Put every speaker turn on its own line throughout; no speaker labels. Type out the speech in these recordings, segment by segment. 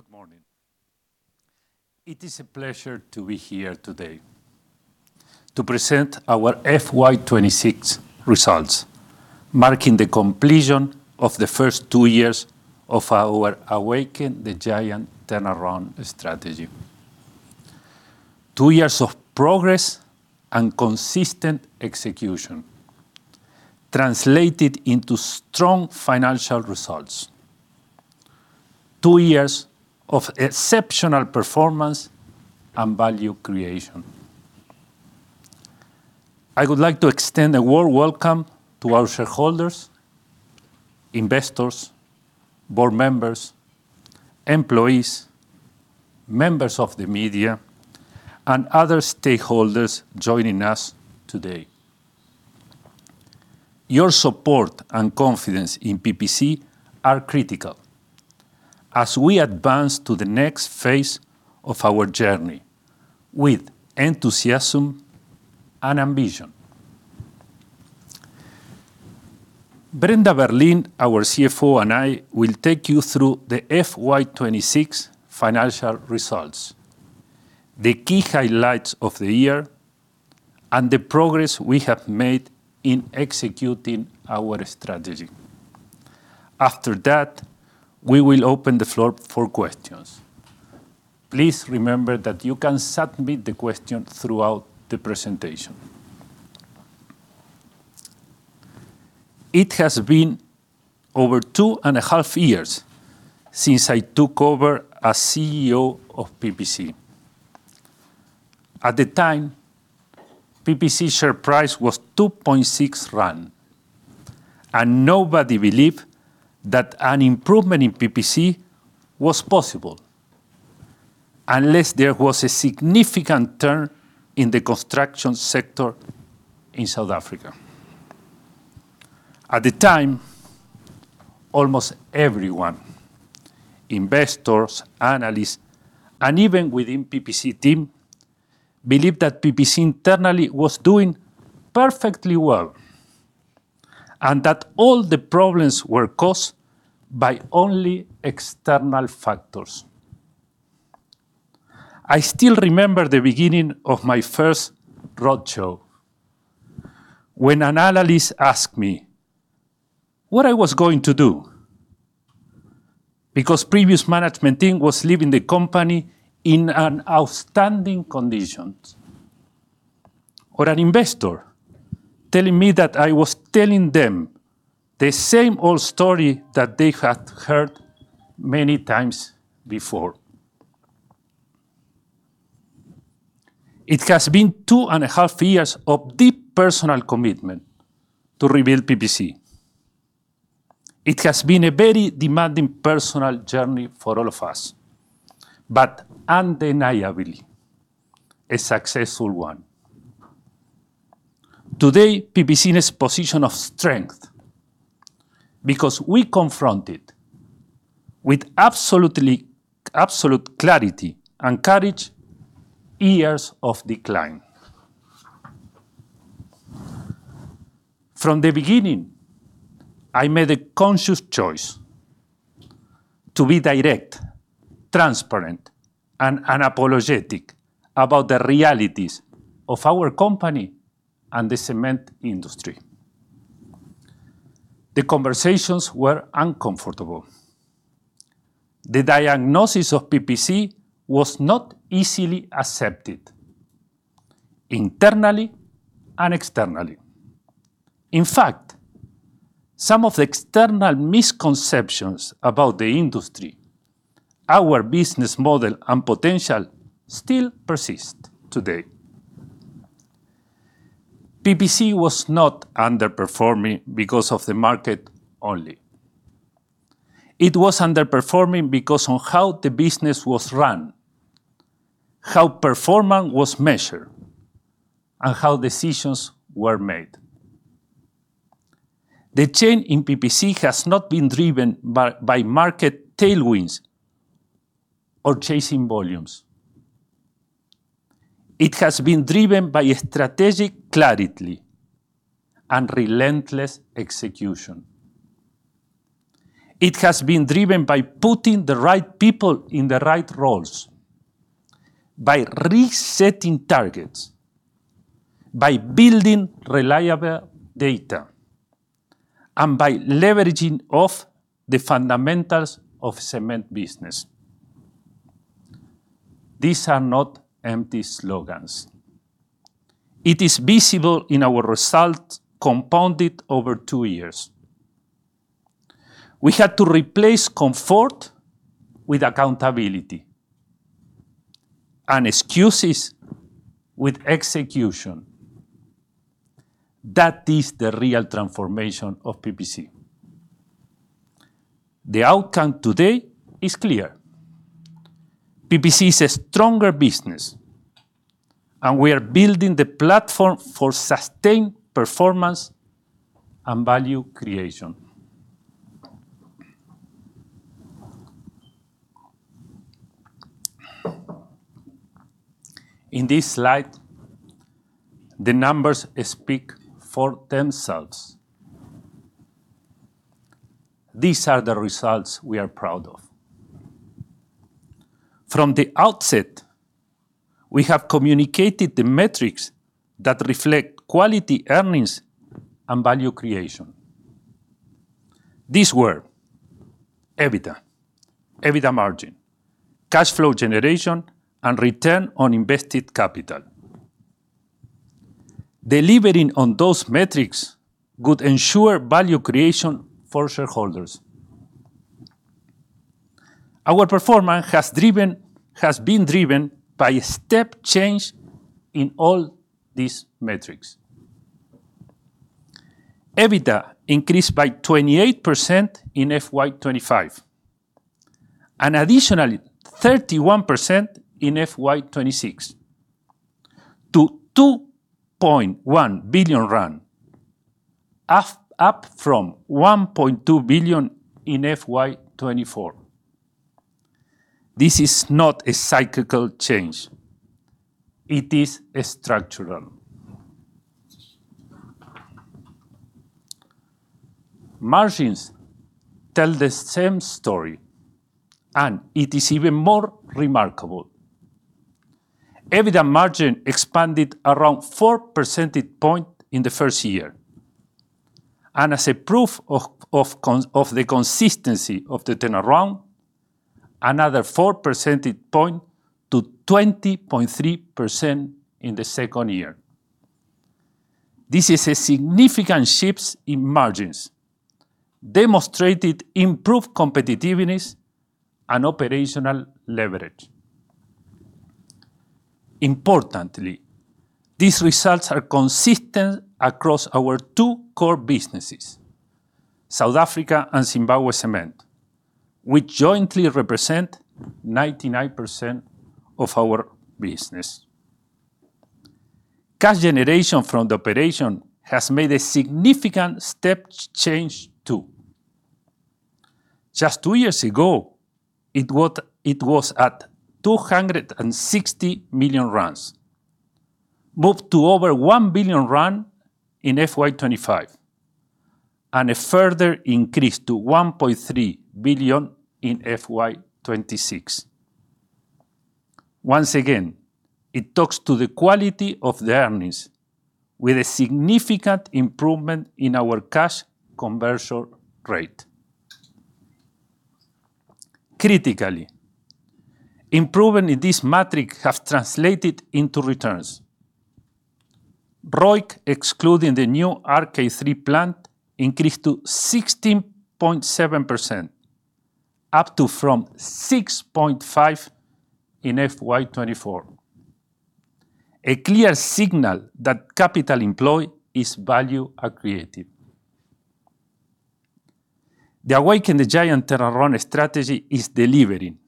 Good morning. It is a pleasure to be here today to present our FY 2026 results, marking the completion of the first two years of our Awaken the Giant turnaround strategy. Two years of progress and consistent execution translated into strong financial results. Two years of exceptional performance and value creation. I would like to extend a warm welcome to our shareholders, investors, board members, employees, members of the media, and other stakeholders joining us today. Your support and confidence in PPC are critical as we advance to the next phase of our journey with enthusiasm and ambition. Brenda Berlin, our CFO, and I will take you through the FY 2026 financial results, the key highlights of the year, and the progress we have made in executing our strategy. After that, we will open the floor for questions. Please remember that you can submit the question throughout the presentation. It has been over 2.5 years since I took over as CEO of PPC. At the time, PPC share price was 2.6 rand, and nobody believed that an improvement in PPC was possible unless there was a significant turn in the construction sector in South Africa. At the time, almost everyone, investors, analysts, and even within PPC team, believed that PPC internally was doing perfectly well and that all the problems were caused by only external factors. I still remember the beginning of my first road show when an analyst asked me what I was going to do because previous management team was leaving the company in an outstanding condition. Or an investor telling me that I was telling them the same old story that they had heard many times before. It has been two and a half years of deep personal commitment to rebuild PPC. It has been a very demanding personal journey for all of us, but undeniably a successful one. Today, PPC is in a position of strength because we confronted, with absolute clarity and courage, years of decline. From the beginning, I made a conscious choice to be direct, transparent, and unapologetic about the realities of our company and the cement industry. The conversations were uncomfortable. The diagnosis of PPC was not easily accepted internally and externally. Some of the external misconceptions about the industry, our business model, and potential still persist today. PPC was not underperforming because of the market only. It was underperforming because on how the business was run, how performance was measured, and how decisions were made. The change in PPC has not been driven by market tailwinds or chasing volumes. It has been driven by strategic clarity and relentless execution. It has been driven by putting the right people in the right roles, by resetting targets, by building reliable data, and by leveraging off the fundamentals of cement business. These are not empty slogans. It is visible in our results compounded over two years. We had to replace comfort with accountability and excuses with execution. That is the real transformation of PPC. The outcome today is clear. PPC is a stronger business, and we are building the platform for sustained performance and value creation. In this slide, the numbers speak for themselves. These are the results we are proud of. From the outset, we have communicated the metrics that reflect quality earnings and value creation. These were EBITDA margin, cash flow generation, and return on invested capital. Delivering on those metrics would ensure value creation for shareholders. Our performance has been driven by a step change in all these metrics. EBITDA increased by 28% in FY 2025, an additional 31% in FY 2026 to 2.1 billion rand, up from 1.2 billion in FY 2024. This is not a cyclical change. It is structural. Margins tell the same story, and it is even more remarkable. EBITDA margin expanded around four percentage points in the first year, and as proof of the consistency of the turnaround, another four percentage points to 20.3% in the second year. This is a significant shift in margins, demonstrating improved competitiveness and operational leverage. Importantly, these results are consistent across our two core businesses, South Africa and Zimbabwe Cement, which jointly represent 99% of our business. Cash generation from the operation has made a significant step change, too. Just two years ago, it was at 260 million. Moved to over 1 billion in FY 2025, and a further increase to 1.3 billion in FY 2026. Once again, it talks to the quality of the earnings, with a significant improvement in our cash conversion rate. Critically, improvement in this metric have translated into returns. ROIC, excluding the new RK3 plant, increased to 16.7%, up from 6.5% in FY 2024. A clear signal that capital employed is value accretive. The Awaken the Giant turnaround strategy is delivering,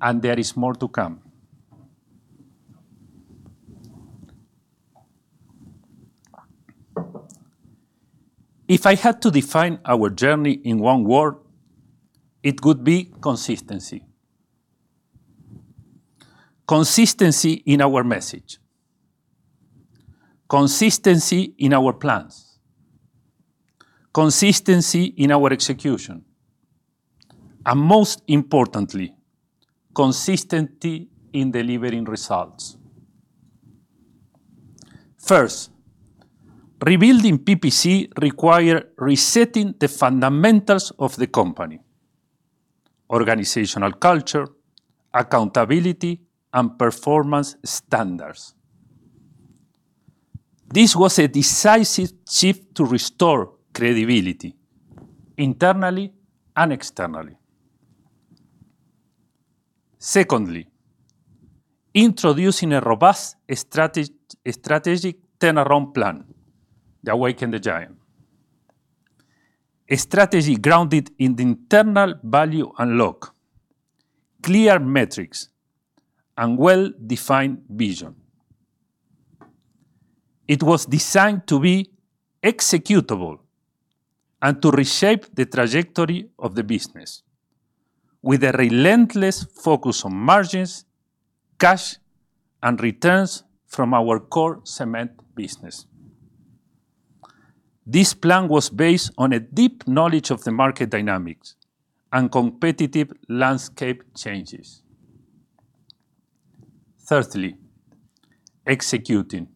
and there is more to come. If I had to define our journey in one word, it would be consistency. Consistency in our message, consistency in our plans, consistency in our execution, and most importantly, consistency in delivering results. Rebuilding PPC required resetting the fundamentals of the company, organizational culture, accountability, and performance standards. This was a decisive shift to restore credibility, internally and externally. Introducing a robust strategic turnaround plan, the Awaken the Giant. A strategy grounded in the internal value unlock, clear metrics, and well-defined vision. It was designed to be executable and to reshape the trajectory of the business with a relentless focus on margins, cash, and returns from our core cement business. This plan was based on a deep knowledge of the market dynamics and competitive landscape changes. Executing.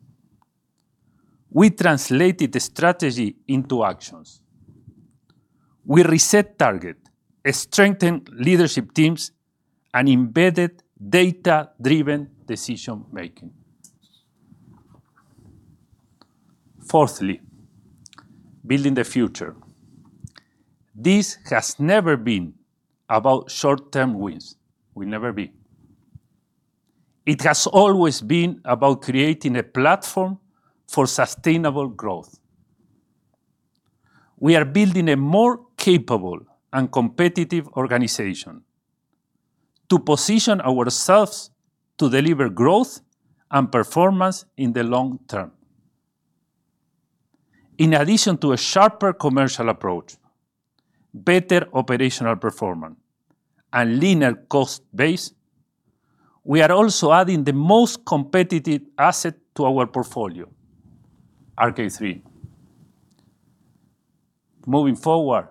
We translated the strategy into actions. We reset targets, strengthened leadership teams, and embedded data-driven decision-making. Building the future. This has never been about short-term wins. Will never be. It has always been about creating a platform for sustainable growth. We are building a more capable and competitive organization to position ourselves to deliver growth and performance in the long term. In addition to a sharper commercial approach, better operational performance, and leaner cost base, we are also adding the most competitive asset to our portfolio, RK3. Moving forward,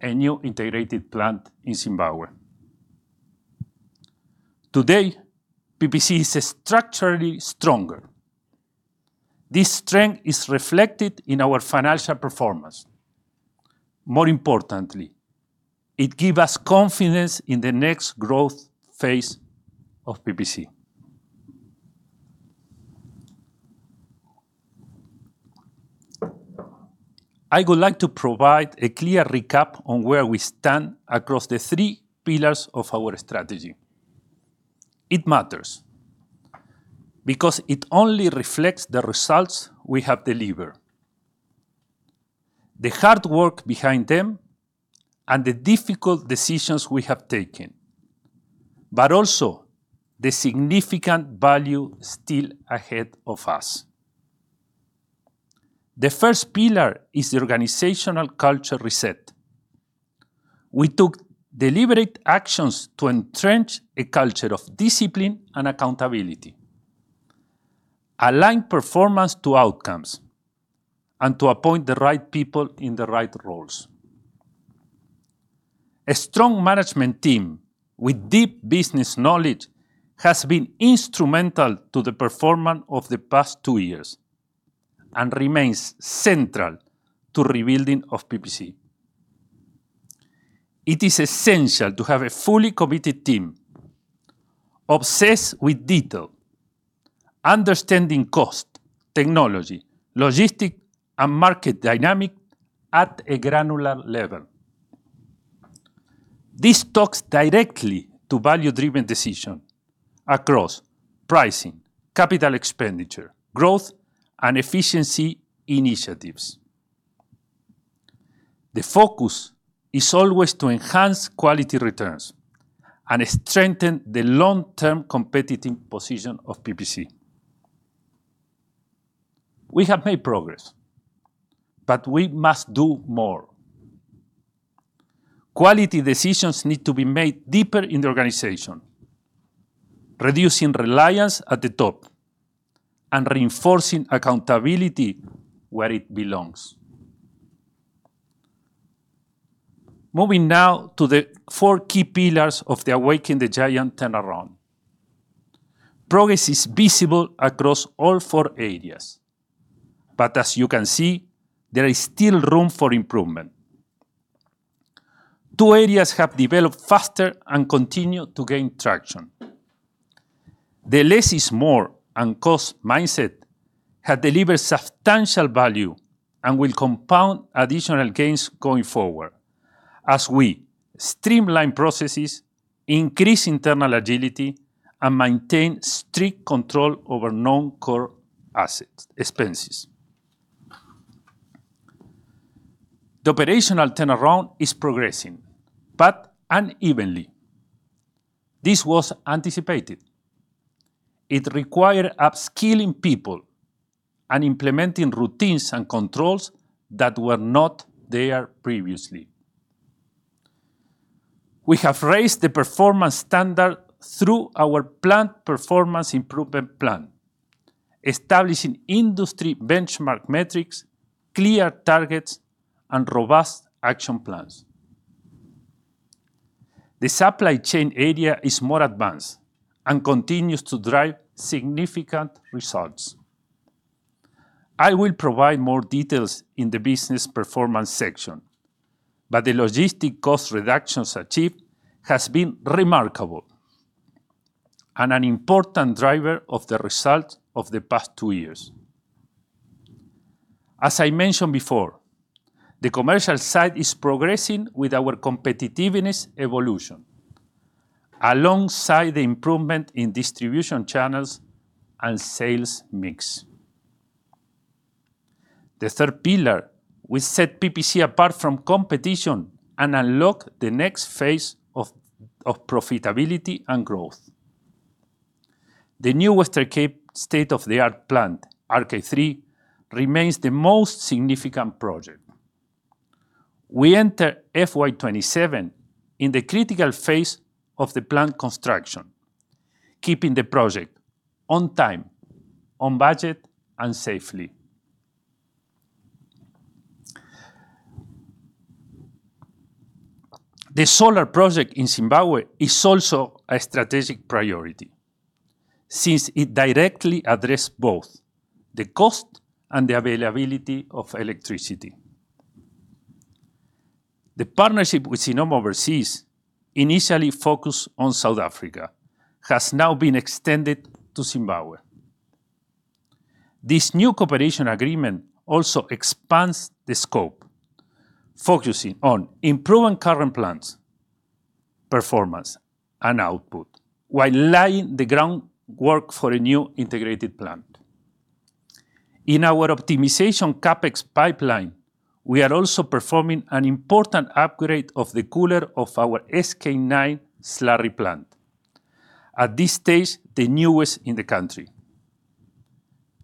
a new integrated plant in Zimbabwe. Today, PPC is structurally stronger. This strength is reflected in our financial performance. More importantly, it gives us confidence in the next growth phase of PPC. I would like to provide a clear recap on where we stand across the three pillars of our strategy. It matters, because it only reflects the results we have delivered, the hard work behind them, and the difficult decisions we have taken, but also the significant value still ahead of us. The first pillar is the organizational culture reset. We took deliberate actions to entrench a culture of discipline and accountability, align performance to outcomes, and to appoint the right people in the right roles. A strong management team with deep business knowledge has been instrumental to the performance of the past two years, and remains central to rebuilding of PPC. It is essential to have a fully committed team, obsessed with detail, understanding cost, technology, logistic, and market dynamic at a granular level. This talks directly to value-driven decision across pricing, capital expenditure, growth, and efficiency initiatives. The focus is always to enhance quality returns and strengthen the long-term competitive position of PPC. We have made progress, but we must do more. Quality decisions need to be made deeper in the organization, reducing reliance at the top and reinforcing accountability where it belongs. Moving now to the four key pillars of the Awaken the Giant turnaround. Progress is visible across all four areas, but as you can see, there is still room for improvement. Two areas have developed faster and continue to gain traction. The less-is-more and cost mindset has delivered substantial value and will compound additional gains going forward as we streamline processes, increase internal agility, and maintain strict control over non-core asset expenses. The operational turnaround is progressing, but unevenly. This was anticipated. It required upskilling people and implementing routines and controls that were not there previously. We have raised the performance standard through our plant performance improvement plan, establishing industry benchmark metrics, clear targets, and robust action plans. The supply chain area is more advanced and continues to drive significant results. I will provide more details in the business performance section, but the logistic cost reductions achieved has been remarkable, and an important driver of the result of the past two years. As I mentioned before, the commercial side is progressing with our competitiveness evolution alongside the improvement in distribution channels and sales mix. The third pillar will set PPC apart from competition and unlock the next phase of profitability and growth. The new Western Cape state-of-the-art plant, RK3, remains the most significant project. We enter FY 2027 in the critical phase of the plant construction, keeping the project on time, on budget, and safely. The solar project in Zimbabwe is also a strategic priority, since it directly address both the cost and the availability of electricity. The partnership with Sinoma Overseas, initially focused on South Africa, has now been extended to Zimbabwe. This new cooperation agreement also expands the scope, focusing on improving current plants' performance and output while laying the groundwork for a new integrated plant. In our optimization CapEx pipeline, we are also performing an important upgrade of the cooler of our SK9, Slurry plant. At this stage, the newest in the country.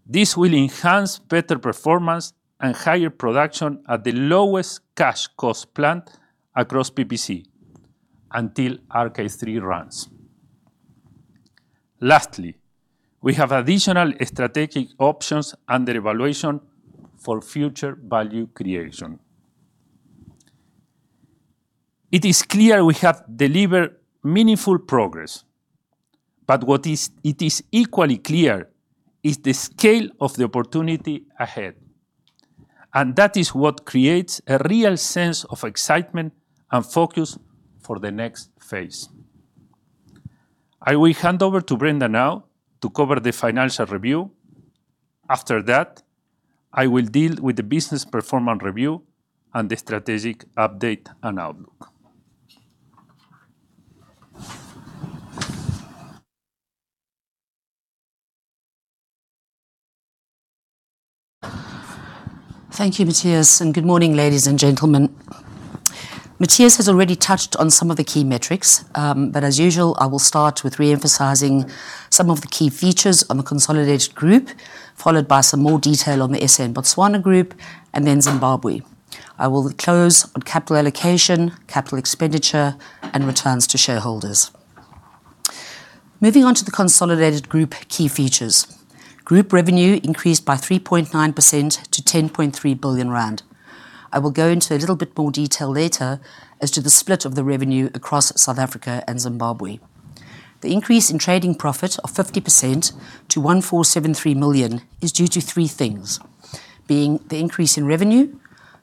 This will enhance better performance and higher production at the lowest cash cost plant across PPC, until RK3 runs. Lastly, we have additional strategic options under evaluation for future value creation. It is clear we have delivered meaningful progress, but what is equally clear is the scale of the opportunity ahead. That is what creates a real sense of excitement and focus for the next phase. I will hand over to Brenda now to cover the financial review. After that, I will deal with the business performance review and the strategic update and outlook.
Thank you, Matías, and good morning, ladies and gentlemen. Matías has already touched on some of the key metrics, but as usual, I will start with re-emphasizing some of the key features on the consolidated group, followed by some more detail on the SA and Botswana Group, and then Zimbabwe. I will close on capital allocation, capital expenditure, and returns to shareholders. Moving on to the consolidated group key features. Group revenue increased by 3.9% to 10.3 billion rand. I will go into a little bit more detail later as to the split of the revenue across South Africa and Zimbabwe. The increase in trading profit of 50% to 1,473 million is due to three things, being the increase in revenue,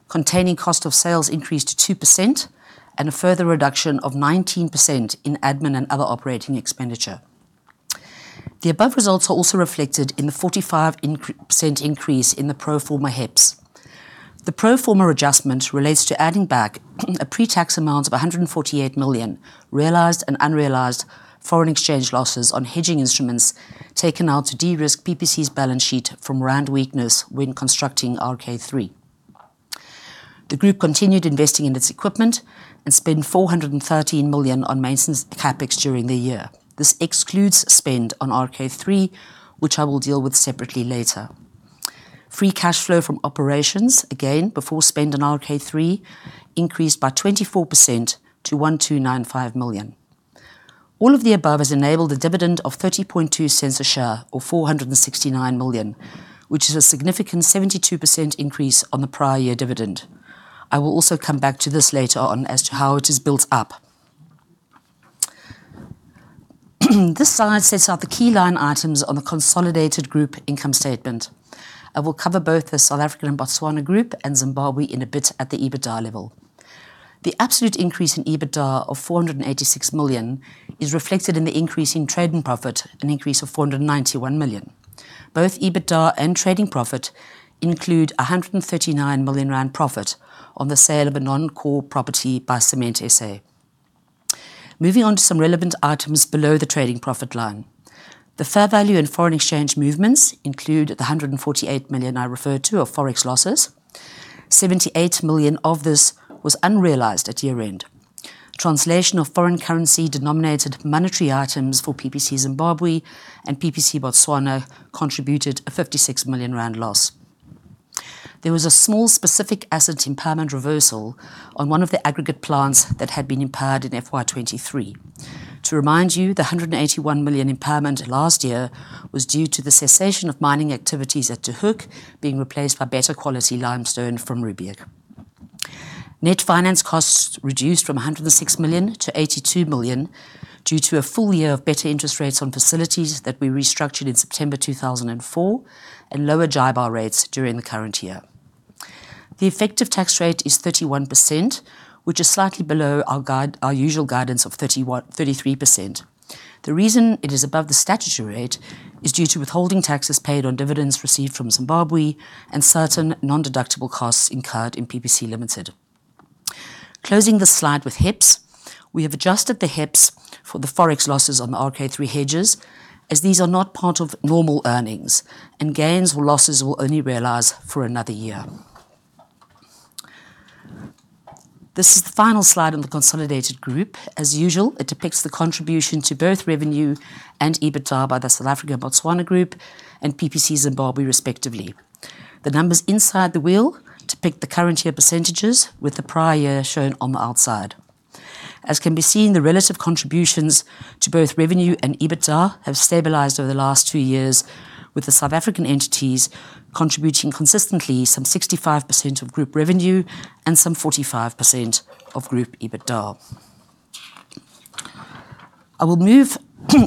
containing cost of sales increased to 2%, and a further reduction of 19% in admin and other operating expenditure. The above results are also reflected in the 45% increase in the pro forma HEPS. The pro forma adjustment relates to adding back a pre-tax amount of 148 million realized and unrealized foreign exchange losses on hedging instruments taken out to de-risk PPC's balance sheet from ZAR weakness when constructing RK3. The group continued investing in its equipment and spent 413 million on maintenance CapEx during the year. This excludes spend on RK3, which I will deal with separately later. Free cash flow from operations, again, before spend on RK3, increased by 24% to 1,295 million. All of the above has enabled a dividend of 0.302 a share or 469 million, which is a significant 72% increase on the prior year dividend. I will also come back to this later on as to how it is built up. This slide sets out the key line items on the consolidated group income statement. I will cover both the South African and Botswana Group and Zimbabwe in a bit at the EBITDA level. The absolute increase in EBITDA of 486 million is reflected in the increase in trading profit, an increase of 491 million. Both EBITDA and trading profit include 139 million rand profit on the sale of a non-core property by Cement SA. Moving on to some relevant items below the trading profit line. The fair value and foreign exchange movements include the 148 million I referred to of forex losses. 78 million of this was unrealized at year-end. Translation of foreign currency denominated monetary items for PPC Zimbabwe and PPC Botswana contributed a 56 million rand loss. There was a small specific asset impairment reversal on one of the aggregate plants that had been impaired in FY 2023. To remind you, the 181 million impairment last year was due to the cessation of mining activities at Touwsrivier being replaced by better quality limestone from Riebeek. Net finance costs reduced from 106 million to 82 million due to a full year of better interest rates on facilities that we restructured in September 2004 and lower JIBAR rates during the current year. The effective tax rate is 31%, which is slightly below our usual guidance of 33%. The reason it is above the statutory rate is due to withholding taxes paid on dividends received from Zimbabwe and certain non-deductible costs incurred in PPC Limited. Closing this slide with HEPS. We have adjusted the HEPS for the forex losses on the RK3 hedges, as these are not part of normal earnings, and gains or losses will only realize for another year. This is the final slide on the consolidated group. As usual, it depicts the contribution to both revenue and EBITDA by the South Africa and Botswana Group and PPC Zimbabwe, respectively. The numbers inside the wheel depict the current year percentages with the prior year shown on the outside. As can be seen, the relative contributions to both revenue and EBITDA have stabilized over the last two years, with the South African entities contributing consistently some 65% of group revenue and some 45% of group EBITDA. I will move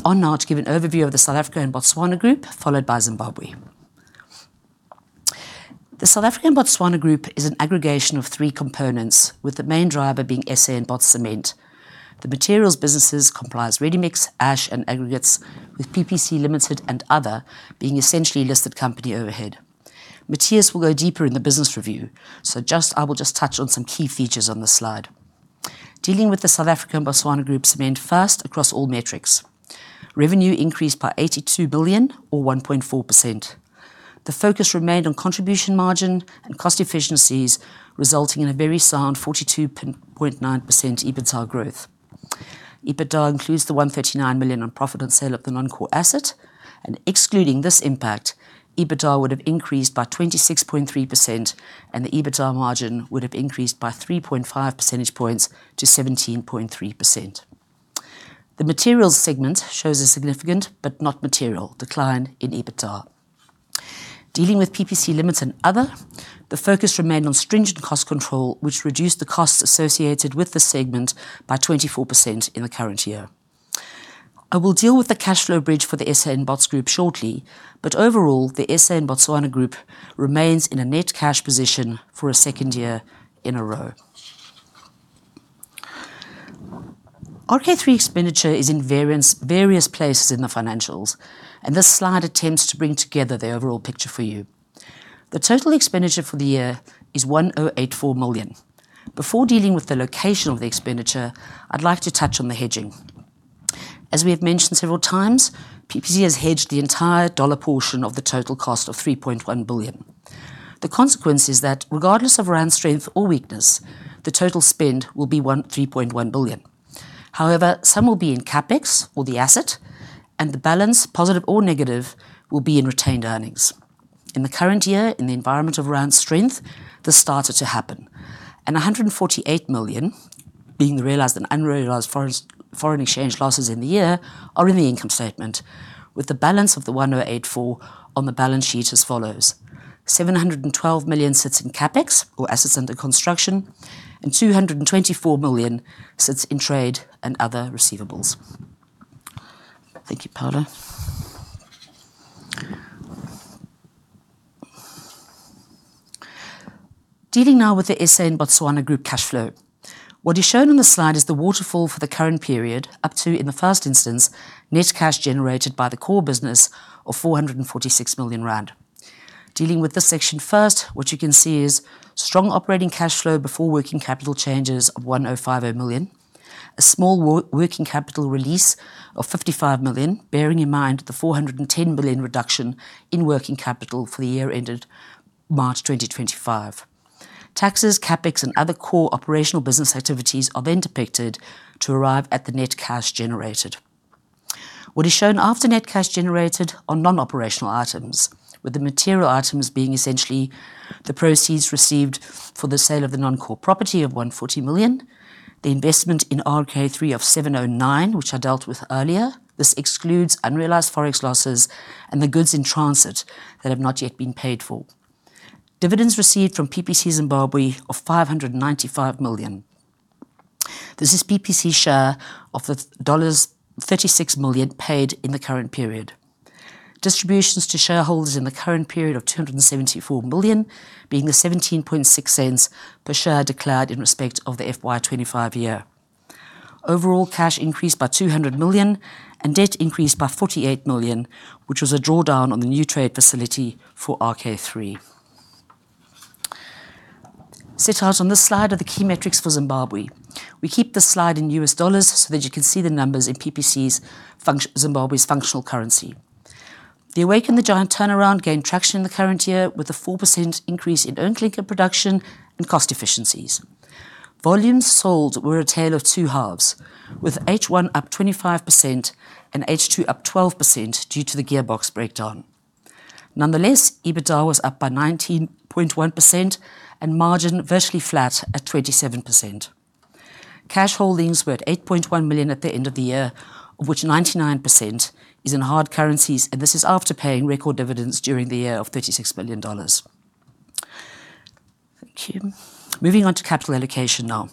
on now to give an overview of the South Africa and Botswana Group, followed by Zimbabwe. The South Africa and Botswana Group is an aggregation of three components, with the main driver being SA and Bots Cement. The materials businesses comprise Ready-mix, Ash, and Aggregates, with PPC Limited and Other being essentially listed company overhead. Matías will go deeper in the business review, so I will just touch on some key features on this slide. Dealing with the South Africa and Botswana Group cement first across all metrics. Revenue increased by 82 billion or 1.4%. The focus remained on contribution margin and cost efficiencies, resulting in a very sound 42.9% EBITDA growth. EBITDA includes the 139 million on profit on sale of the non-core asset. Excluding this impact, EBITDA would have increased by 26.3% and the EBITDA margin would have increased by 3.5 percentage points to 17.3%. The materials segment shows a significant but not material decline in EBITDA. Dealing with PPC Limited and Other, the focus remained on stringent cost control, which reduced the costs associated with the segment by 24% in the current year. I will deal with the cash flow bridge for the SA and Bots Group shortly, but overall, the SA and Botswana Group remains in a net cash position for a second year in a row. RK3 expenditure is in various places in the financials, and this slide attempts to bring together the overall picture for you. The total expenditure for the year is 1,084 million. Before dealing with the location of the expenditure, I'd like to touch on the hedging. As we have mentioned several times, PPC has hedged the entire dollar portion of the total cost of 3.1 billion. The consequence is that regardless of rand strength or weakness, the total spend will be 3.1 billion. However, some will be in CapEx or the asset, and the balance, positive or negative, will be in retained earnings. In the current year, in the environment of rand strength, this started to happen. 148 million being the realized and unrealized foreign exchange losses in the year are in the income statement with the balance of the 1,084 on the balance sheet as follow. 712 million sits in CapEx or assets under construction, and 224 million sits in trade and other receivables. Thank you, Paulo. Dealing now with the SA and Botswana Group cash flow. What is shown on the slide is the waterfall for the current period up to, in the first instance, net cash generated by the core business of 446 million rand. Dealing with this section first, what you can see is strong operating cash flow before working capital changes of 1,050 million. A small working capital release of 55 million, bearing in mind the 410 million reduction in working capital for the year ended March 2025. Taxes, CapEx, and other core operational business activities are depicted to arrive at the net cash generated. What is shown after net cash generated are non-operational items, with the material items being essentially the proceeds received for the sale of the non-core property of 140 million, the investment in RK3 of 709, which I dealt with earlier. This excludes unrealized forex losses and the goods in transit that have not yet been paid for. Dividends received from PPC Zimbabwe of 595 million. This is PPC share of the $36 million paid in the current period. Distributions to shareholders in the current period of 274 million being the 0.176 per share declared in respect of the FY 2025 year. Overall cash increased by 200 million and debt increased by 48 million, which was a drawdown on the new trade facility for RK3. Set out on this slide are the key metrics for Zimbabwe. We keep this slide in U.S. dollars so that you can see the numbers in PPC Zimbabwe's functional currency. The Awaken the Giant turnaround gained traction in the current year with a 4% increase in own clinker production and cost efficiencies. Volumes sold were a tale of two halves, with H1 up 25% and H2 up 12% due to the gearbox breakdown. Nonetheless, EBITDA was up by 19.1% and margin virtually flat at 27%. Cash holdings were at $8.1 million at the end of the year, of which 99% is in hard currencies, and this is after paying record dividends during the year of $36 million. Thank you. Moving on to capital allocation now.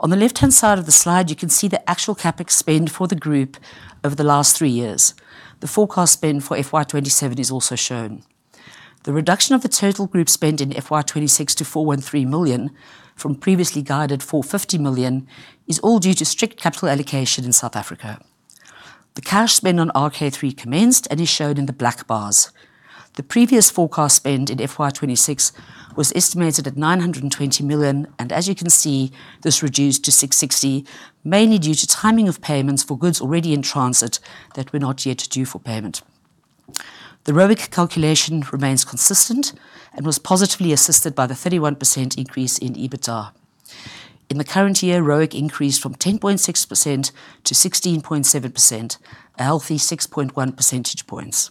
On the left-hand side of the slide, you can see the actual CapEx spend for the group over the last three years. The forecast spend for FY 2027 is also shown. The reduction of the total group spend in FY 2026 to 413 million from previously guided 450 million is all due to strict capital allocation in South Africa. The cash spend on RK3 commenced and is shown in the black bars. The previous forecast spend in FY 2026 was estimated at 920 million, as you can see, this reduced to 660, mainly due to timing of payments for goods already in transit that were not yet due for payment. The ROIC calculation remains consistent and was positively assisted by the 31% increase in EBITDA. In the current year, ROIC increased from 10.6%-16.7%, a healthy 6.1 percentage points.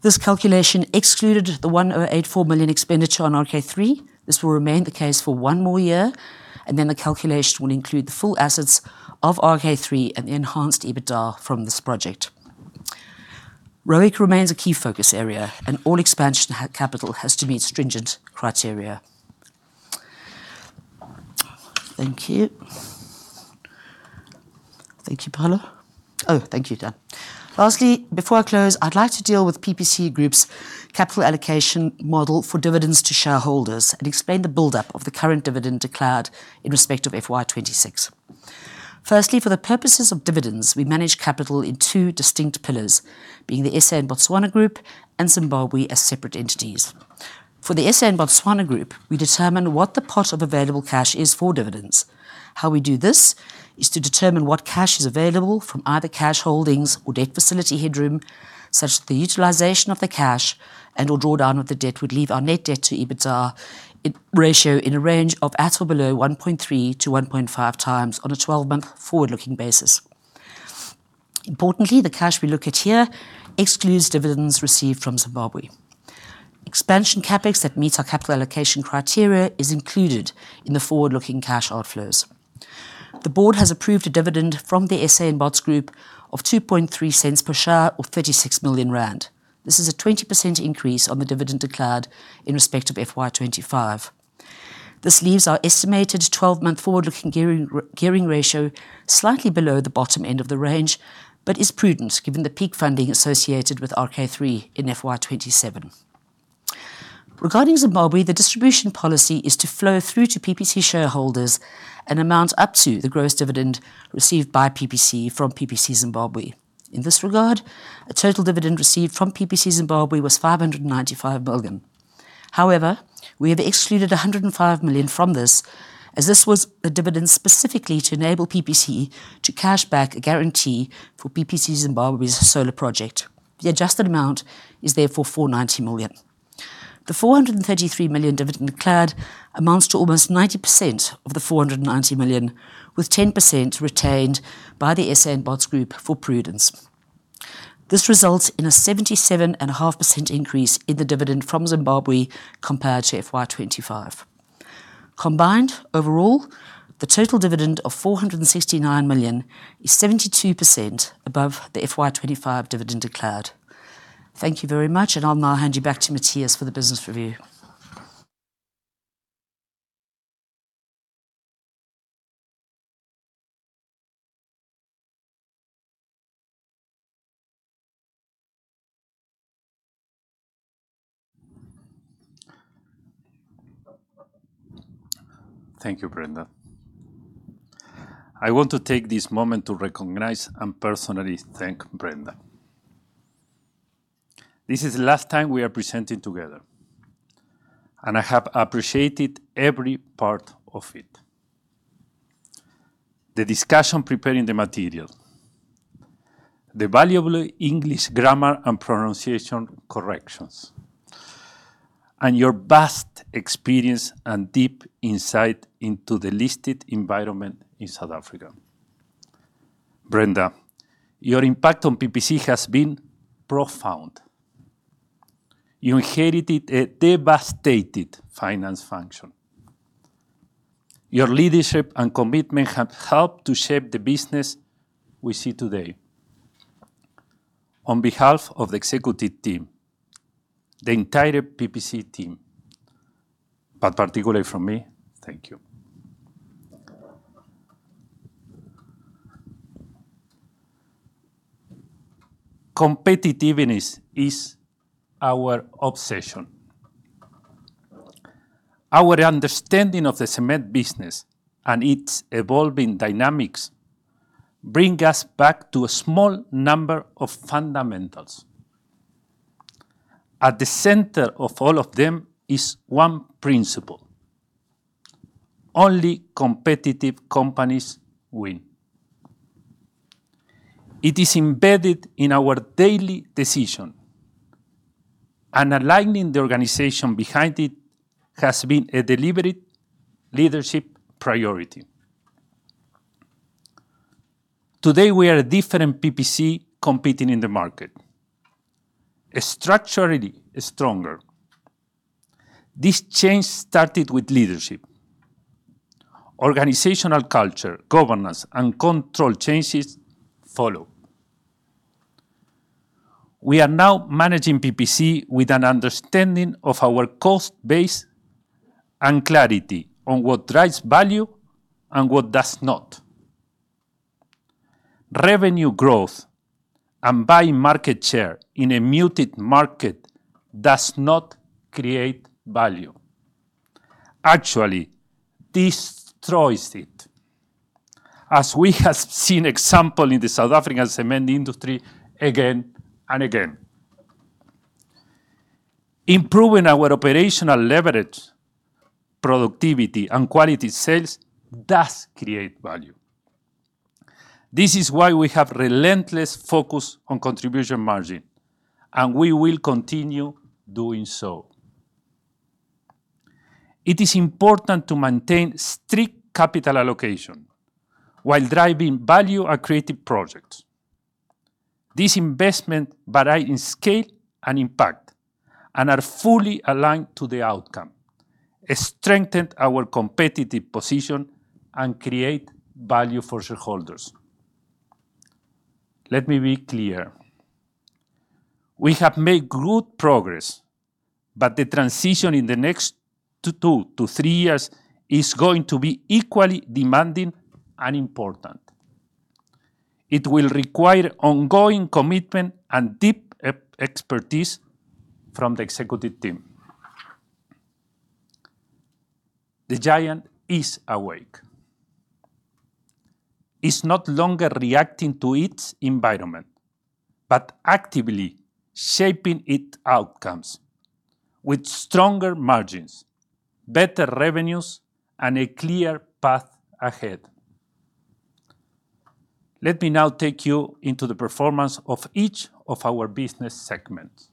This calculation excluded the 1,084 million expenditure on RK3. This will remain the case for one more year, the calculation will include the full assets of RK3 and the enhanced EBITDA from this project. ROIC remains a key focus area, all expansion capital has to meet stringent criteria. Thank you. Thank you, Paulo. Thank you, Dan. Lastly, before I close, I'd like to deal with PPC group's capital allocation model for dividends to shareholders and explain the buildup of the current dividend declared in respect of FY 2026. Firstly, for the purposes of dividends, we manage capital in two distinct pillars, being the SA and Botswana Group and Zimbabwe as separate entities. For the SA and Botswana Group, we determine what the pot of available cash is for dividends. How we do this is to determine what cash is available from either cash holdings or debt facility headroom, such that the utilization of the cash and/or drawdown of the debt would leave our net debt to EBITDA ratio in a range of at or below 1.3-1.5x on a 12-month forward-looking basis. Importantly, the cash we look at here excludes dividends received from Zimbabwe. Expansion CapEx that meets our capital allocation criteria is included in the forward-looking cash outflows. The board has approved a dividend from the SA and Bots Group of 0.023 per share or 36 million rand. This is a 20% increase on the dividend declared in respect of FY 2025. This leaves our estimated 12-month forward-looking gearing ratio slightly below the bottom end of the range, but is prudent given the peak funding associated with RK3 in FY 2027. Regarding Zimbabwe, the distribution policy is to flow through to PPC shareholders an amount up to the gross dividend received by PPC from PPC Zimbabwe. In this regard, the total dividend received from PPC Zimbabwe was 595 million. However, we have excluded 105 million from this, as this was a dividend specifically to enable PPC to cash back a guarantee for PPC Zimbabwe's solar project. The adjusted amount is therefore 490 million. The 433 million dividend declared amounts to almost 90% of the 490 million, with 10% retained by the SA and Bots Group for prudence. This results in a 77.5% increase in the dividend from Zimbabwe compared to FY 2025. Combined, overall, the total dividend of 469 million is 72% above the FY 2025 dividend declared. Thank you very much, and I will now hand you back to Matías for the business review.
Thank you, Brenda. I want to take this moment to recognize and personally thank Brenda. This is the last time we are presenting together, and I have appreciated every part of it. The discussion preparing the material, the valuable English grammar and pronunciation corrections, and your vast experience and deep insight into the listed environment in South Africa. Brenda, your impact on PPC has been profound. You inherited a devastated finance function. Your leadership and commitment have helped to shape the business we see today. On behalf of the executive team, the entire PPC team, but particularly from me, thank you. Competitiveness is our obsession. Our understanding of the cement business and its evolving dynamics bring us back to a small number of fundamentals. At the center of all of them is one principle. Only competitive companies win. It is embedded in our daily decisions. Aligning the organization behind it has been a deliberate leadership priority. Today, we are a different PPC competing in the market. Structurally stronger. This change started with leadership. Organizational culture, governance, and control changes follow. We are now managing PPC with an understanding of our cost base and clarity on what drives value and what does not. Revenue growth and buying market share in a muted market does not create value. Actually, destroys it, as we have seen example in the South African cement industry again and again. Improving our operational leverage, productivity, and quality sales does create value. This is why we have relentless focus on contribution margin. We will continue doing so. It is important to maintain strict capital allocation while driving value and creative projects. These investments vary in scale and impact and are fully aligned to the outcome, strengthen our competitive position and create value for shareholders. Let me be clear. We have made good progress, but the transition in the next two to three years is going to be equally demanding and important. It will require ongoing commitment and deep expertise from the executive team. The giant is awake. It's no longer reacting to its environment, but actively shaping its outcomes with stronger margins, better revenues, and a clear path ahead. Let me now take you into the performance of each of our business segments.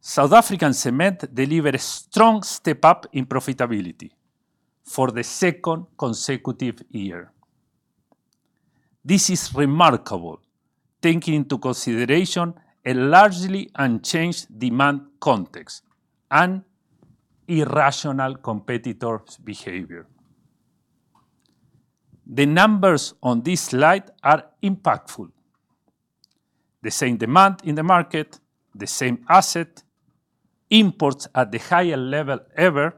South African Cement delivered a strong step-up in profitability for the second consecutive year. This is remarkable, taking into consideration a largely unchanged demand context and irrational competitor behavior. The numbers on this slide are impactful. The same demand in the market, the same asset, imports at the highest level ever,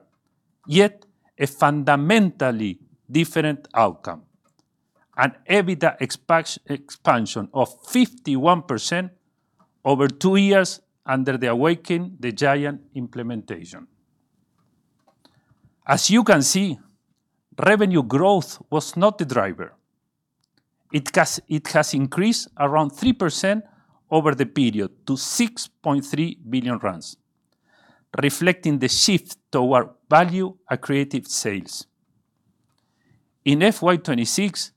yet a fundamentally different outcome. An EBITDA expansion of 51% over two years under the Awaken the Giant implementation. As you can see, revenue growth was not the driver. It has increased around 3% over the period to 6.3 billion, reflecting the shift toward value accretive sales. In FY 2026,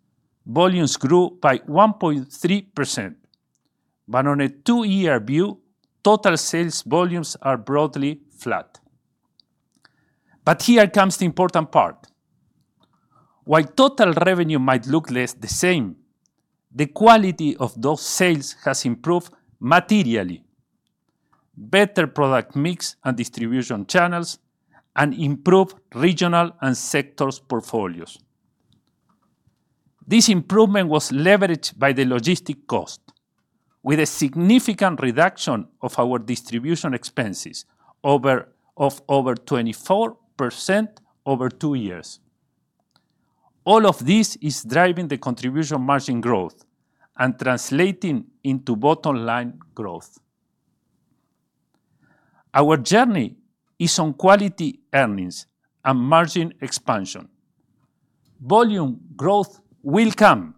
volumes grew by 1.3%, but on a two-year view, total sales volumes are broadly flat. Here comes the important part. While total revenue might look less the same, the quality of those sales has improved materially. Better product mix and distribution channels and improved regional and sectors portfolios. This improvement was leveraged by the logistic cost with a significant reduction of our distribution expenses of over 24% over two years. All of this is driving the contribution margin growth and translating into bottom-line growth. Our journey is on quality earnings and margin expansion. Volume growth will come,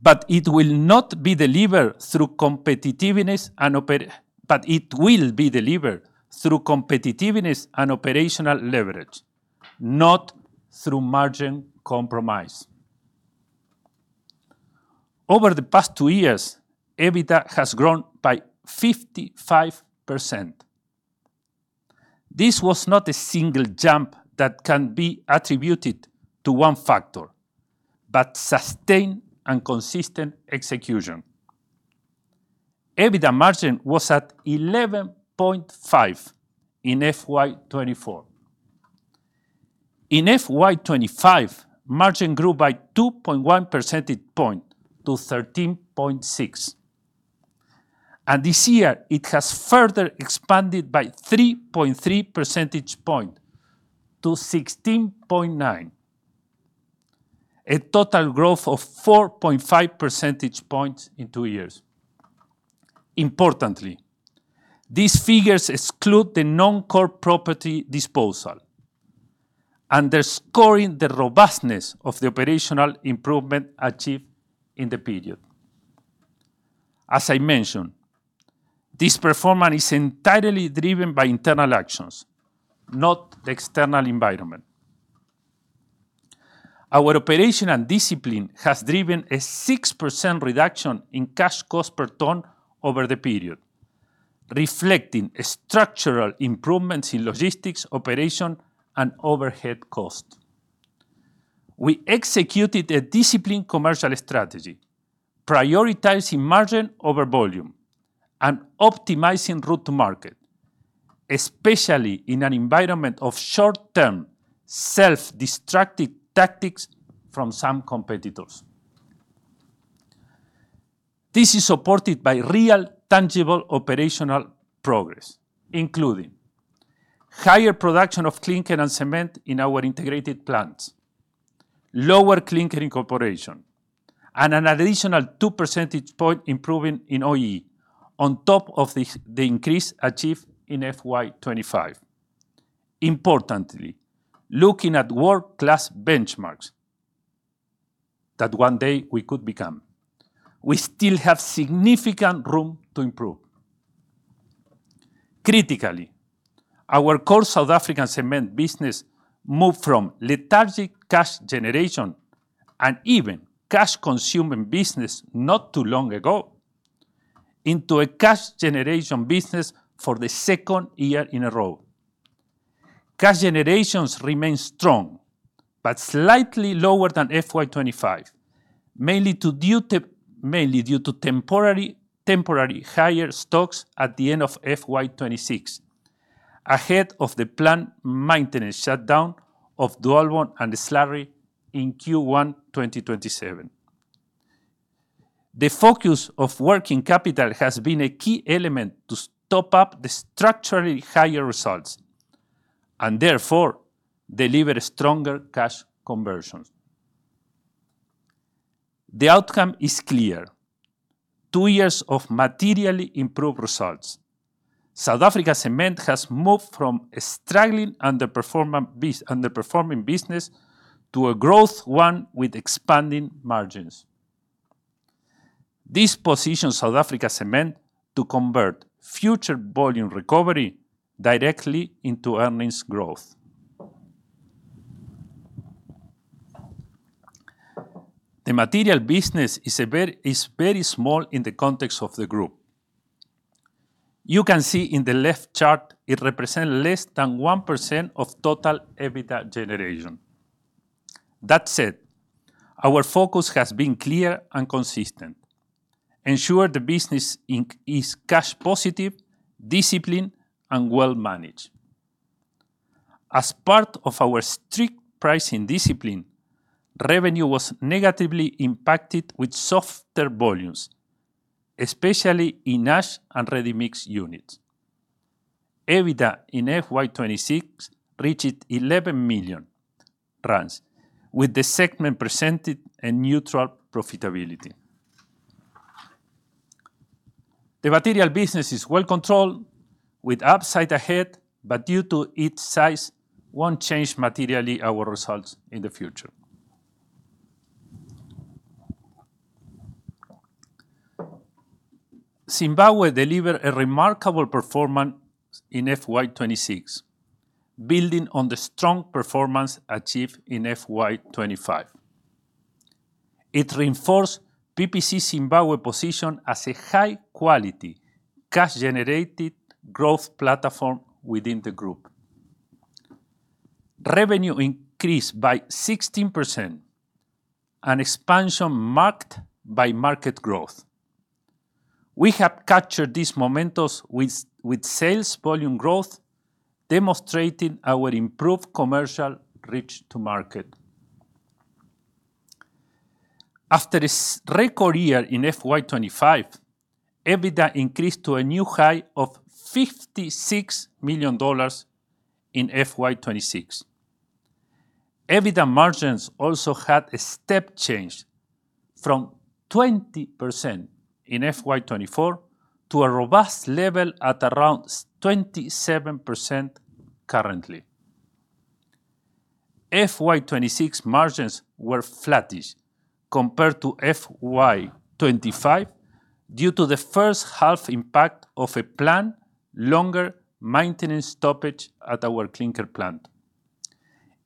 but it will be delivered through competitiveness and operational leverage, not through margin compromise. Over the past two years, EBITDA has grown by 55%. This was not a single jump that can be attributed to one factor, but sustained and consistent execution. EBITDA margin was at 11.5% in FY 2024. In FY 2025, margin grew by 2.1 percentage point to 13.6%. This year, it has further expanded by 3.3 percentage point to 16.9%. A total growth of 4.5 percentage points in two years. Importantly, these figures exclude the non-core property disposal, underscoring the robustness of the operational improvement achieved in the period. As I mentioned, this performance is entirely driven by internal actions, not the external environment. Our operational discipline has driven a 6% reduction in cash cost per ton over the period, reflecting structural improvements in logistics, operation, and overhead cost. We executed a disciplined commercial strategy, prioritizing margin over volume and optimizing route to market, especially in an environment of short-term, self-destructive tactics from some competitors. This is supported by real, tangible operational progress, including higher production of clinker and cement in our integrated plants, lower clinker incorporation, and an additional two percentage point improvement in OE on top of the increase achieved in FY 2025. Importantly, looking at world-class benchmarks that one day we could become, we still have significant room to improve. Critically, our core South African Cement business moved from lethargic cash generation and even cash-consuming business not too long ago into a cash generation business for the second year in a row. Cash generations remain strong, but slightly lower than FY 2025, mainly due to temporary higher stocks at the end of FY 2026, ahead of the planned maintenance shutdown of Dwaalboom and Slurry in Q1 2027. The focus of working capital has been a key element to top up the structurally higher results, and therefore deliver stronger cash conversions. The outcome is clear. Two years of materially improved results. South Africa Cement has moved from a struggling, underperforming business to a growth one with expanding margins. This positions South Africa Cement to convert future volume recovery directly into earnings growth. The material business is very small in the context of the group. You can see in the left chart, it represents less than 1% of total EBITDA generation. That said, our focus has been clear and consistent, ensure the business is cash positive, disciplined, and well-managed. As part of our strict pricing discipline, revenue was negatively impacted with softer volumes, especially in Fly Ash and Ready-mix units. EBITDA in FY 2026 reached 11 million, with the segment presenting a neutral profitability. The material business is well controlled with upside ahead, but due to its size, won't change materially our results in the future. Zimbabwe delivered a remarkable performance in FY 2026, building on the strong performance achieved in FY 2025. It reinforced PPC Zimbabwe's position as a high-quality, cash-generative growth platform within the group. Revenue increased by 16%, an expansion marked by market growth. We have captured these momentums with sales volume growth, demonstrating our improved commercial reach to market. After a record year in FY 2025, EBITDA increased to a new high of $56 million in FY 2026. EBITDA margins also had a step change from 20% in FY 2024 to a robust level at around 27% currently. FY 2026 margins were flattish compared to FY 2025 due to the first half impact of a planned longer maintenance stoppage at our clinker plant.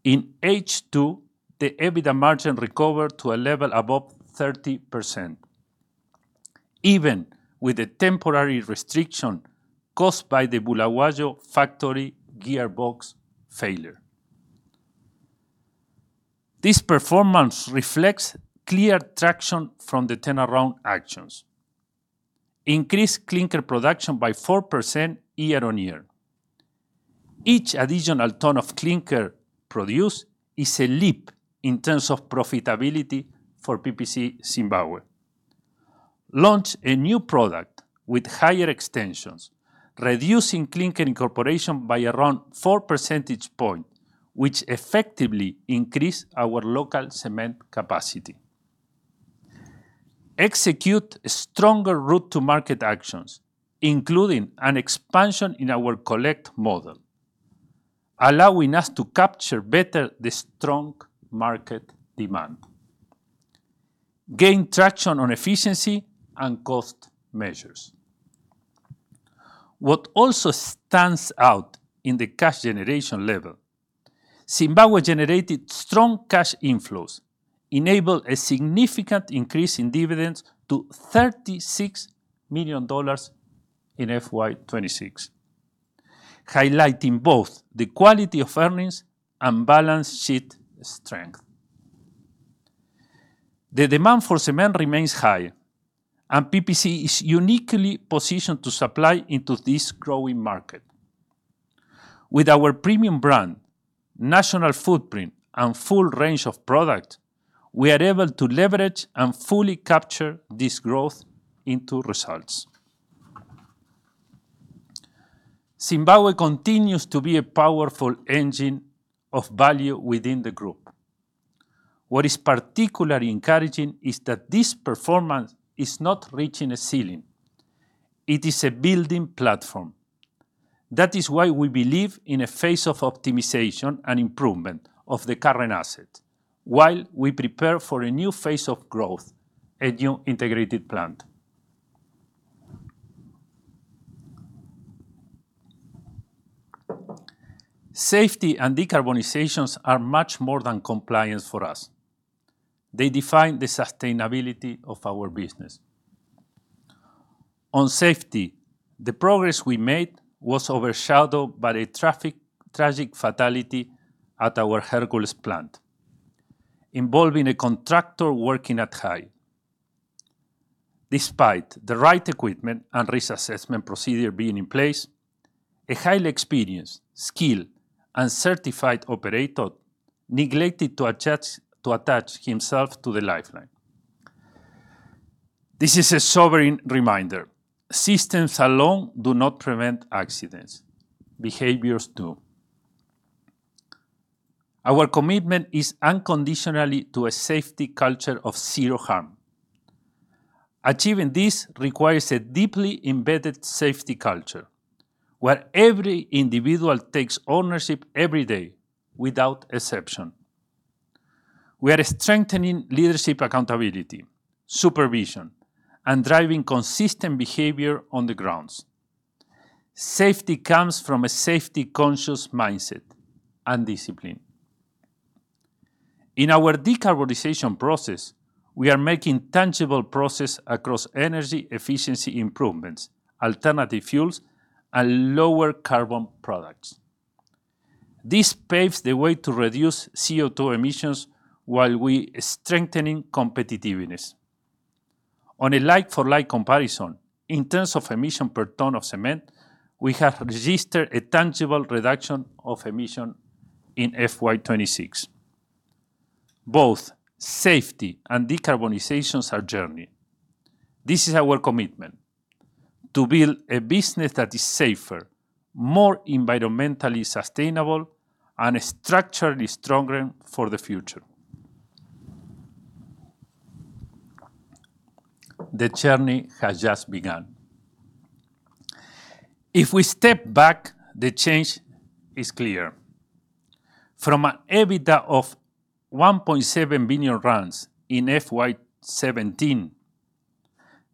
In H2, the EBITDA margin recovered to a level above 30%, even with the temporary restriction caused by the Bulawayo factory gearbox failure. This performance reflects clear traction from the turnaround actions. Increased clinker production by 4% year-on-year. Each additional ton of clinker produced is a leap in terms of profitability for PPC Zimbabwe. Launched a new product with higher extensions, reducing clinker incorporation by around four percentage points, which effectively increased our local cement capacity. Executed stronger route-to-market actions, including an expansion in our collect model, allowing us to capture better the strong market demand. Gained traction on efficiency and cost measures. What also stands out in the cash generation level, Zimbabwe generated strong cash inflows, enabled a significant increase in dividends to $36 million in FY 2026, highlighting both the quality of earnings and balance sheet strength. The demand for cement remains high, PPC is uniquely positioned to supply into this growing market. With our premium brand, national footprint, and full range of product, we are able to leverage and fully capture this growth into results. Zimbabwe continues to be a powerful engine of value within the group. What is particularly encouraging is that this performance is not reaching a ceiling. It is a building platform. That is why we believe in a phase of optimization and improvement of the current asset while we prepare for a new phase of growth, a new integrated plant. Safety and decarbonization are much more than compliance for us. They define the sustainability of our business. On safety, the progress we made was overshadowed by the tragic fatality at our Hercules plant, involving a contractor working at height. Despite the right equipment and risk assessment procedure being in place, a highly experienced, skilled, and certified operator neglected to attach himself to the lifeline. This is a sobering reminder. Systems alone do not prevent accidents. Behaviors do. Our commitment is unconditionally to a safety culture of zero harm. Achieving this requires a deeply embedded safety culture where every individual takes ownership every day, without exception. We are strengthening leadership accountability, supervision, and driving consistent behavior on the grounds. Safety comes from a safety-conscious mindset and discipline. In our decarbonization process, we are making tangible progress across energy efficiency improvements, alternative fuels, and lower carbon products. This paves the way to reduce CO2 emissions while we strengthening competitiveness. On a like-for-like comparison, in terms of emission per ton of cement, we have registered a tangible reduction of emission in FY 2026. Both safety and decarbonization are journey. This is our commitment, to build a business that is safer, more environmentally sustainable, and structurally stronger for the future. The journey has just begun. If we step back, the change is clear. From an EBITDA of 1.7 billion in FY 2017,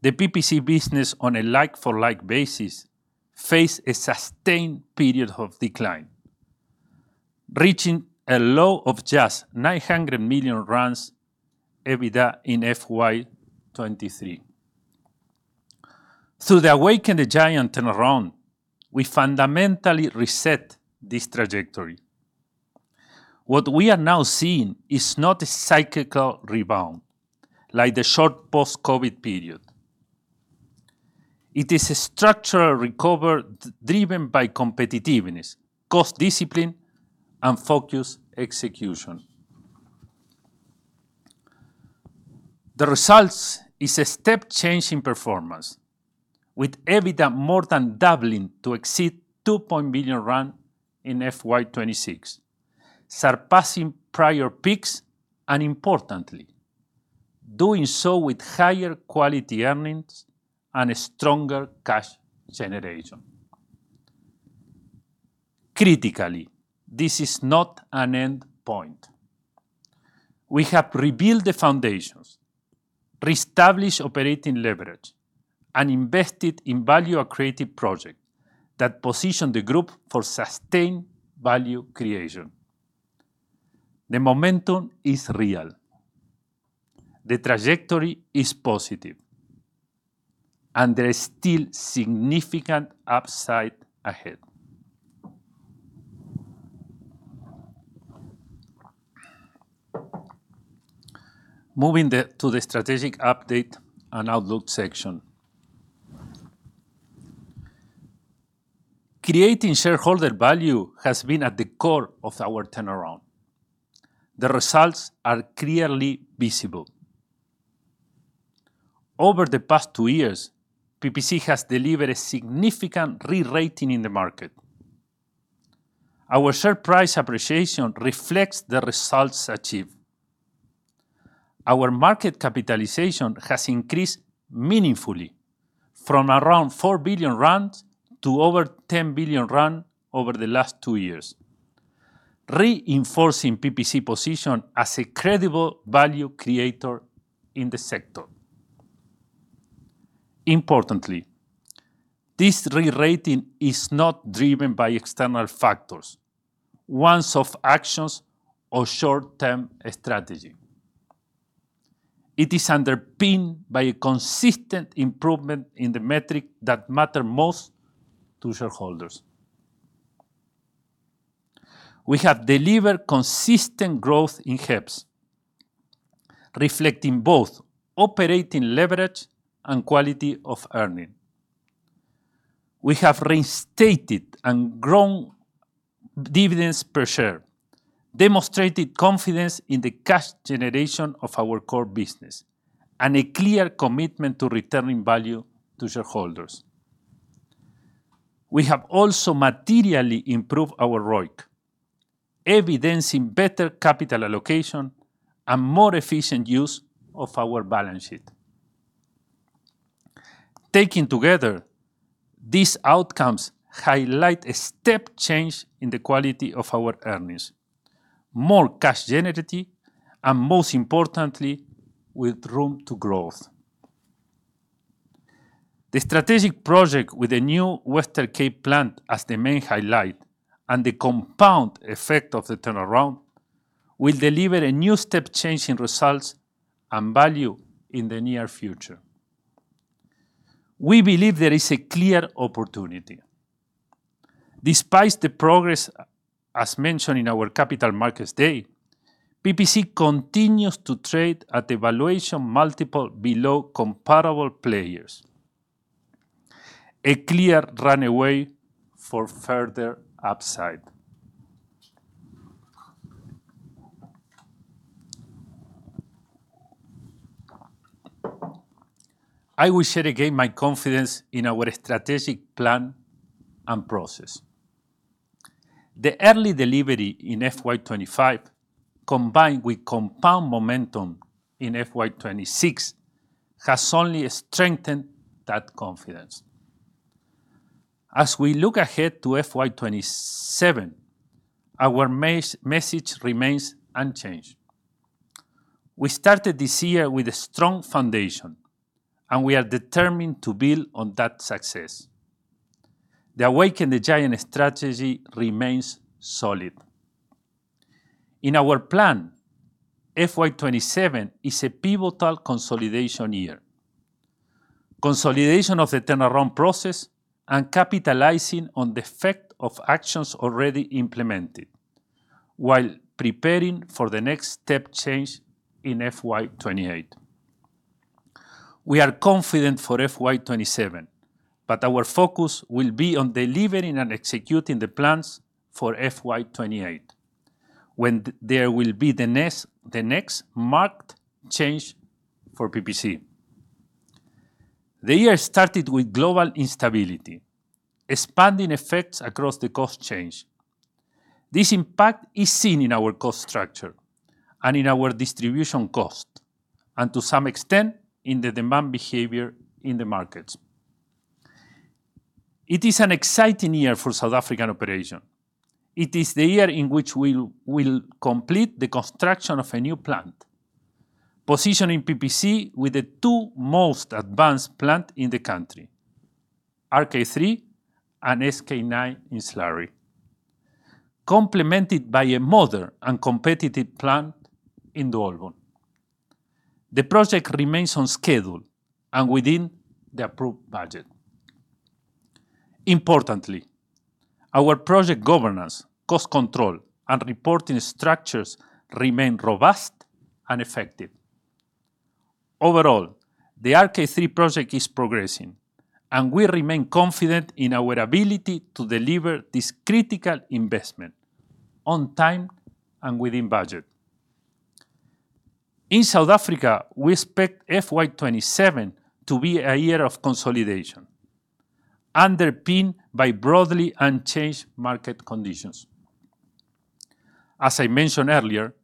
the PPC business, on a like-for-like basis, faced a sustained period of decline, reaching a low of just 900 million EBITDA in FY 2023. Through the Awaken the Giant turnaround, we fundamentally reset this trajectory. What we are now seeing is not a cyclical rebound, like the short post-COVID period. It is a structural recovery driven by competitiveness, cost discipline, and focused execution. The results is a step change in performance, with EBITDA more than doubling to exceed 2 billion rand in FY 2026, surpassing prior peaks, and importantly, doing so with higher quality earnings and stronger cash generation. Critically, this is not an end point. We have rebuilt the foundations, reestablished operating leverage, and invested in value-accretive projects that position the group for sustained value creation. The momentum is real. The trajectory is positive. There is still significant upside ahead. Moving to the strategic update and outlook section. Creating shareholder value has been at the core of our turnaround. The results are clearly visible. Over the past two years, PPC has delivered a significant re-rating in the market. Our share price appreciation reflects the results achieved. Our market capitalization has increased meaningfully from around 4 billion rand to over 10 billion rand over the last two years, reinforcing PPC's position as a credible value creator in the sector. Importantly, this re-rating is not driven by external factors, once-off actions, or short-term strategy. It is underpinned by a consistent improvement in the metrics that matter most to shareholders. We have delivered consistent growth in HEPS, reflecting both operating leverage and quality of earnings. We have reinstated and grown dividends per share, demonstrating confidence in the cash generation of our core business and a clear commitment to returning value to shareholders. We have also materially improved our ROIC, evidencing better capital allocation and more efficient use of our balance sheet. Taken together, these outcomes highlight a step change in the quality of our earnings, more cash generative, and most importantly, with room to growth. The strategic project with the new Western Cape plant as the main highlight and the compound effect of the turnaround will deliver a new step change in results and value in the near future. We believe there is a clear opportunity. Despite the progress, as mentioned in our Capital Markets Day, PPC continues to trade at a valuation multiple below comparable players. A clear runway for further upside. I will share again my confidence in our strategic plan and process. The early delivery in FY 2025, combined with compound momentum in FY 2026, has only strengthened that confidence. As we look ahead to FY 2027, our message remains unchanged. We started this year with a strong foundation, and we are determined to build on that success. The Awaken the Giant strategy remains solid. In our plan, FY 2027 is a pivotal consolidation year. Consolidation of the turnaround process and capitalizing on the effect of actions already implemented, while preparing for the next step change in FY 2028. We are confident for FY 2027, but our focus will be on delivering and executing the plans for FY 2028, when there will be the next marked change for PPC. The year started with global instability, expanding effects across the cost change. This impact is seen in our cost structure and in our distribution cost, and to some extent, in the demand behavior in the markets. It is an exciting year for South African operation. It is the year in which we will complete the construction of a new plant, positioning PPC with the two most advanced plants in the country, RK3 and SK9 in Slurry, complemented by a modern and competitive plant in Dwaalboom. The project remains on schedule and within the approved budget. Importantly, our project governance, cost control, and reporting structures remain robust and effective. Overall, the RK3 project is progressing, and we remain confident in our ability to deliver this critical investment on time and within budget. In South Africa, we expect FY 2027 to be a year of consolidation, underpinned by broadly unchanged market conditions. As I mentioned earlier,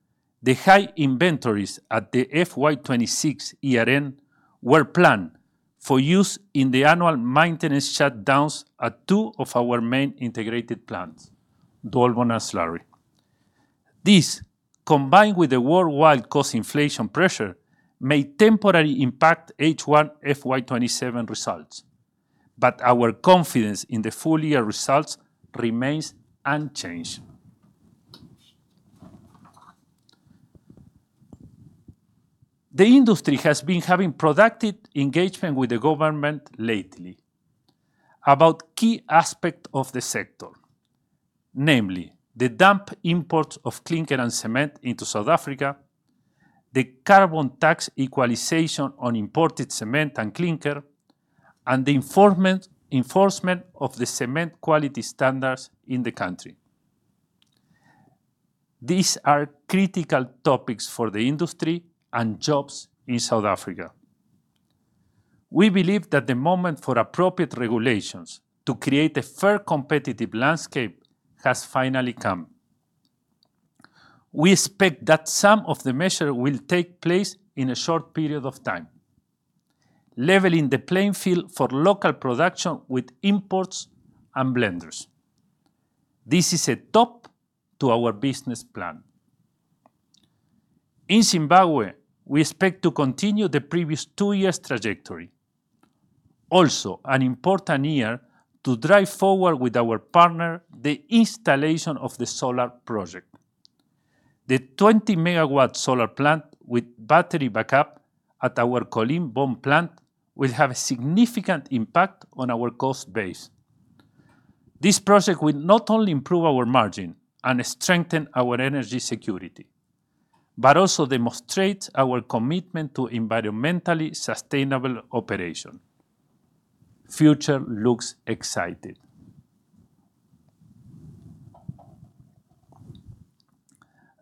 the high inventories at the FY 2026 year-end were planned for use in the annual maintenance shutdowns at two of our main integrated plants, Dwaalboom and Slurry. This, combined with the worldwide cost inflation pressure, may temporarily impact H1 FY 2027 results. Our confidence in the full-year results remains unchanged. The industry has been having productive engagement with the government lately about key aspects of the sector. Namely, the dumped imports of clinker and cement into South Africa, the carbon tax equalization on imported cement and clinker, and the enforcement of the cement quality standards in the country. These are critical topics for the industry and jobs in South Africa. We believe that the moment for appropriate regulations to create a fair, competitive landscape has finally come. We expect that some of the measures will take place in a short period of time, leveling the playing field for local production with imports and blenders. This is a top to our business plan. In Zimbabwe, we expect to continue the previous two years' trajectory. An important year to drive forward with our partner the installation of the solar project. The 20 MW solar plant with battery backup at our Colleen Bawn plant will have a significant impact on our cost base. This project will not only improve our margin and strengthen our energy security, but also demonstrate our commitment to environmentally sustainable operation. Future looks exciting.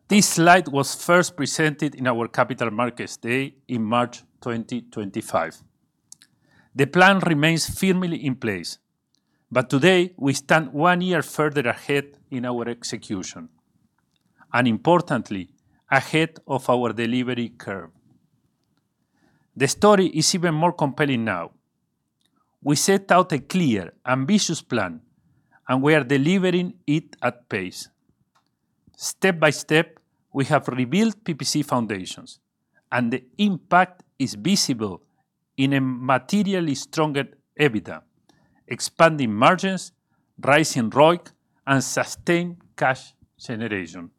This slide was first presented in our Capital Markets Day in March 2025. The plan remains firmly in place, but today we stand one year further ahead in our execution, and importantly, ahead of our delivery curve. The story is even more compelling now. We set out a clear, ambitious plan, and we are delivering it at pace. Step by step, we have rebuilt PPC foundations, and the impact is visible in a materially stronger EBITDA, expanding margins, rising ROIC, and sustained cash generation.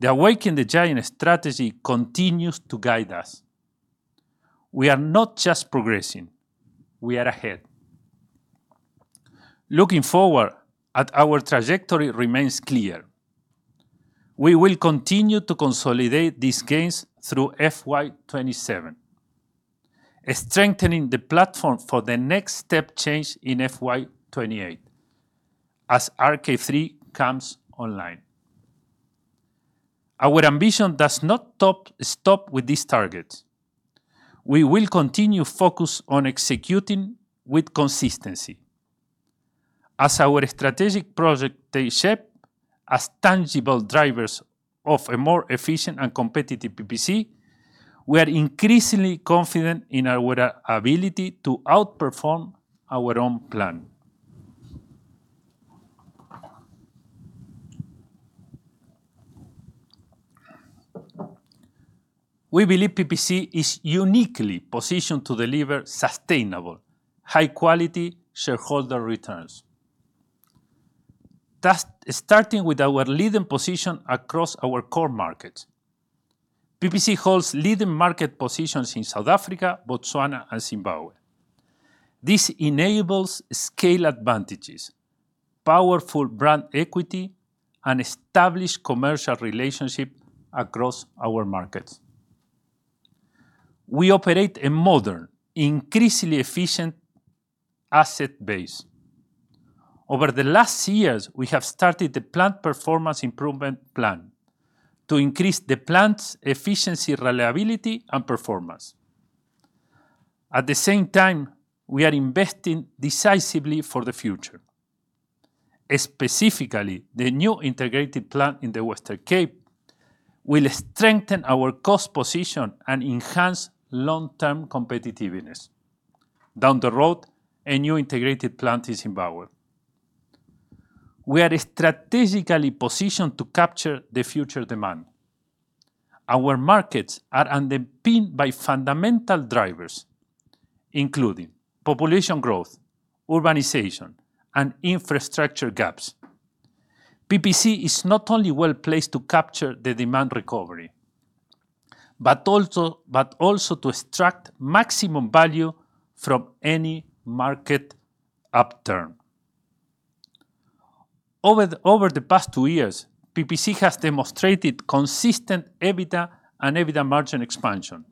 The Awaken the Giant strategy continues to guide us. We are not just progressing, we are ahead. Looking forward at our trajectory remains clear. We will continue to consolidate these gains through FY 2027, strengthening the platform for the next step change in FY 2028 as RK3 comes online. Our ambition does not stop with these targets. We will continue focus on executing with consistency. As our strategic project takes shape as tangible drivers of a more efficient and competitive PPC, we are increasingly confident in our ability to outperform our own plan. We believe PPC is uniquely positioned to deliver sustainable, high quality shareholder returns. Starting with our leading position across our core markets. PPC holds leading market positions in South Africa, Botswana, and Zimbabwe. This enables scale advantages, powerful brand equity, and established commercial relationship across our markets. We operate a modern, increasingly efficient asset base. Over the last years, we have started the plant performance improvement plan to increase the plant's efficiency, reliability and performance. At the same time, we are investing decisively for the future. Specifically, the new integrated plant in the Western Cape will strengthen our cost position and enhance long-term competitiveness. Down the road, a new integrated plant is in power. We are strategically positioned to capture the future demand. Our markets are underpinned by fundamental drivers, including population growth, urbanization, and infrastructure gaps. PPC is not only well-placed to capture the demand recovery, but also to extract maximum value from any market upturn. Over the past two years, PPC has demonstrated consistent EBITDA and EBITDA margin expansion,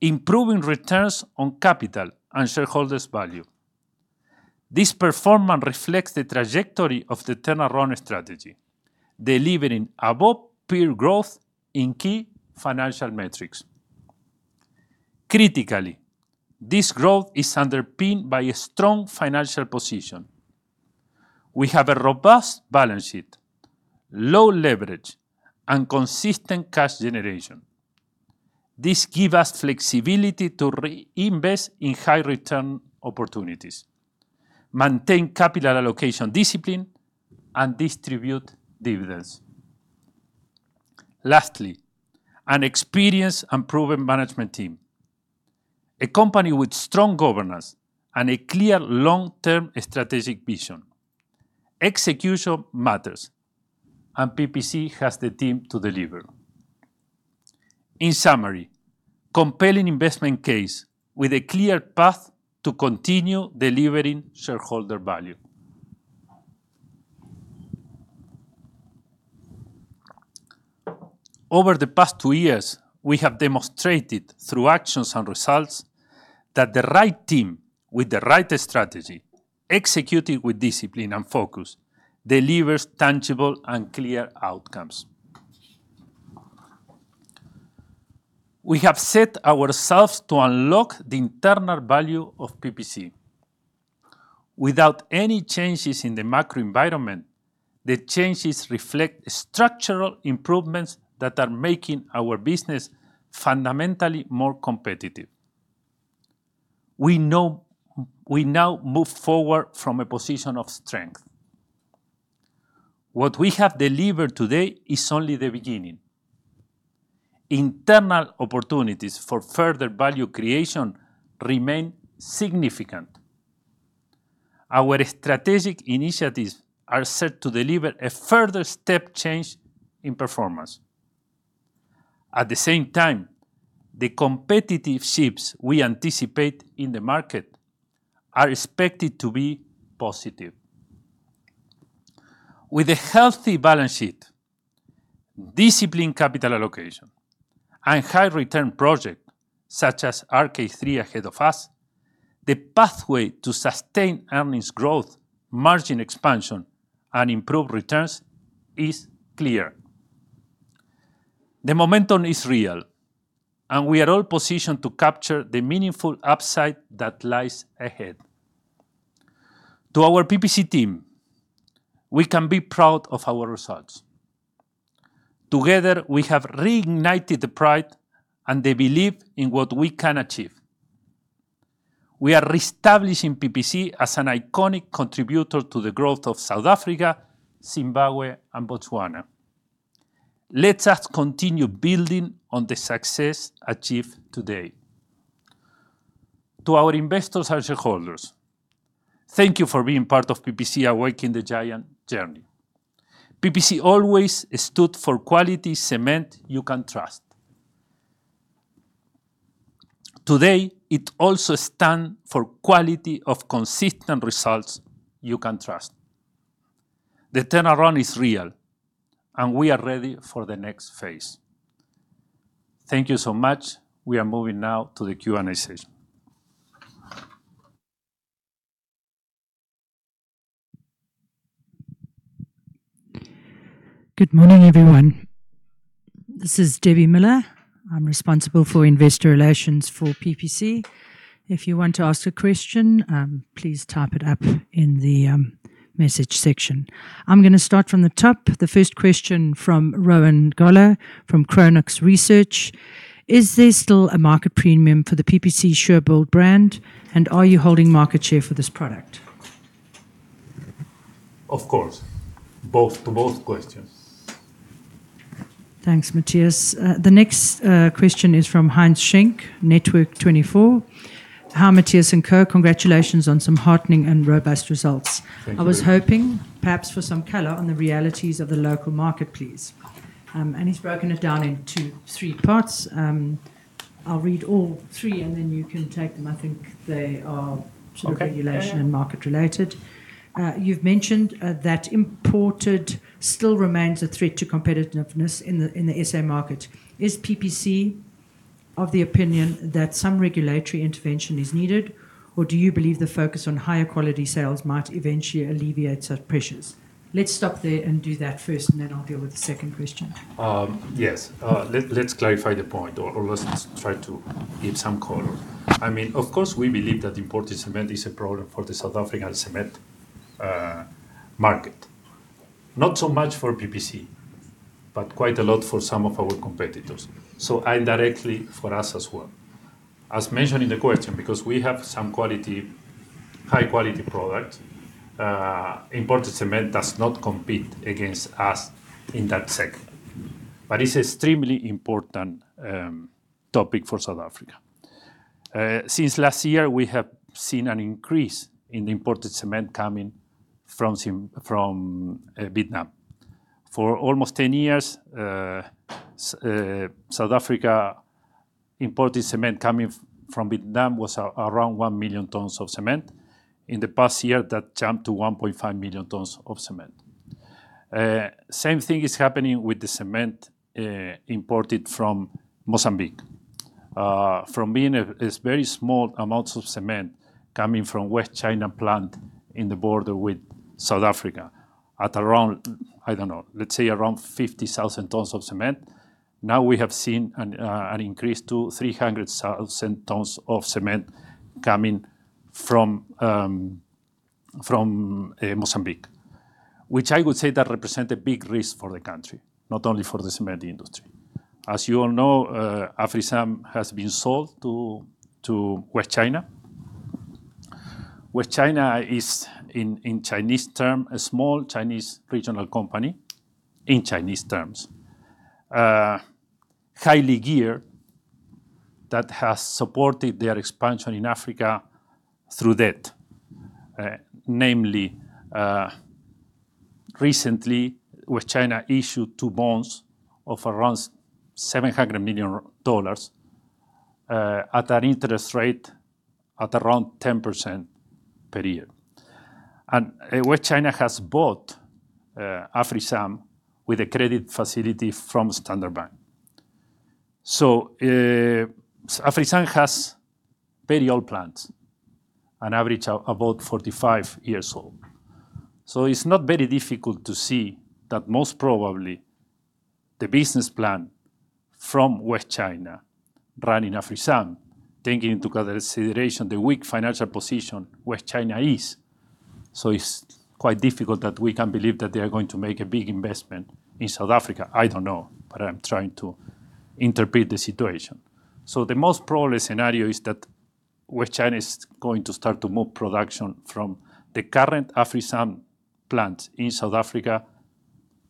improving returns on capital and shareholders value. This performance reflects the trajectory of the turnaround strategy, delivering above peer growth in key financial metrics. Critically, this growth is underpinned by a strong financial position. We have a robust balance sheet, low leverage, and consistent cash generation. This give us flexibility to reinvest in high return opportunities, maintain capital allocation discipline, and distribute dividends. Lastly, an experienced and proven management team. A company with strong governance and a clear long-term strategic vision. Execution matters, and PPC has the team to deliver. In summary, compelling investment case with a clear path to continue delivering shareholder value. Over the past two years, we have demonstrated through actions and results that the right team with the right strategy, executed with discipline and focus, delivers tangible and clear outcomes. We have set ourselves to unlock the internal value of PPC. Without any changes in the macro environment, the changes reflect structural improvements that are making our business fundamentally more competitive. We now move forward from a position of strength. What we have delivered today is only the beginning. Internal opportunities for further value creation remain significant. Our strategic initiatives are set to deliver a further step change in performance. At the same time, the competitive shifts we anticipate in the market are expected to be positive. With a healthy balance sheet, disciplined capital allocation, and high-return project, such as RK3 ahead of us, the pathway to sustained earnings growth, margin expansion, and improved returns is clear. The momentum is real, and we are all positioned to capture the meaningful upside that lies ahead. To our PPC team, we can be proud of our results. Together, we have reignited the pride and the belief in what we can achieve. We are reestablishing PPC as an iconic contributor to the growth of South Africa, Zimbabwe, and Botswana. Let us continue building on the success achieved today. To our investors and shareholders, thank you for being part of PPC Awaken the Giant journey. PPC always stood for quality cement you can trust. Today, it also stand for quality of consistent results you can trust. The turnaround is real, and we are ready for the next phase. Thank you so much. We are moving now to the Q&A session.
Good morning, everyone. This is Debbie Millar. I am responsible for investor relations for PPC. If you want to ask a question, please type it up in the message section. I am going to start from the top. The first question from Rowan Goeller from Chronux Research. Is there still a market premium for the PPC Surebuild brand, and are you holding market share for this product?
Of course. To both questions.
Thanks, Matías. The next question is from Heinz Schenk, Netwerk24. "Hi, Matías and co. Congratulations on some heartening and robust results.
Thank you.
I was hoping perhaps for some color on the realities of the local market, please." He's broken it down into three parts. I'll read all three, and then you can take them.
Okay.
Sort of regulation and market-related. You've mentioned that imported still remains a threat to competitiveness in the SA market. Is PPC of the opinion that some regulatory intervention is needed, or do you believe the focus on higher quality sales might eventually alleviate such pressures? Let's stop there and do that first, and then I'll deal with the second question.
Yes. Let's clarify the point or let's try to give some color. Of course, we believe that imported cement is a problem for the South African cement market. Not so much for PPC, but quite a lot for some of our competitors, so indirectly for us as well. As mentioned in the question, because we have some high-quality product, imported cement does not compete against us in that segment. It's extremely important topic for South Africa. Since last year, we have seen an increase in imported cement coming from Vietnam. For almost 10 years, South Africa imported cement coming from Vietnam was around 1 million tons of cement. In the past year, that jumped to 1.5 million tons of cement. Same thing is happening with the cement imported from Mozambique. From being a very small amounts of cement coming from West China plant in the border with South Africa at around, I don't know, let's say around 50,000 tons of cement. Now we have seen an increase to 300,000 tons of cement coming from Mozambique, which I would say that represent a big risk for the country, not only for the cement industry. As you all know, AfriSam has been sold to West China. West China is, in Chinese terms, a small Chinese regional company. In Chinese terms. Highly geared that has supported their expansion in Africa through debt. Namely, recently, West China issued two bonds of around ZAR 700 million at an interest rate at around 10% per year. West China has bought AfriSam with a credit facility from Standard Bank. AfriSam has very old plants, on average about 45 years old. It's not very difficult to see that most probably the business plan from West China running AfriSam, taking into consideration the weak financial position West China is, it's quite difficult that we can believe that they are going to make a big investment in South Africa. I don't know, but I'm trying to interpret the situation. The most probable scenario is that West China is going to start to move production from the current AfriSam plant in South Africa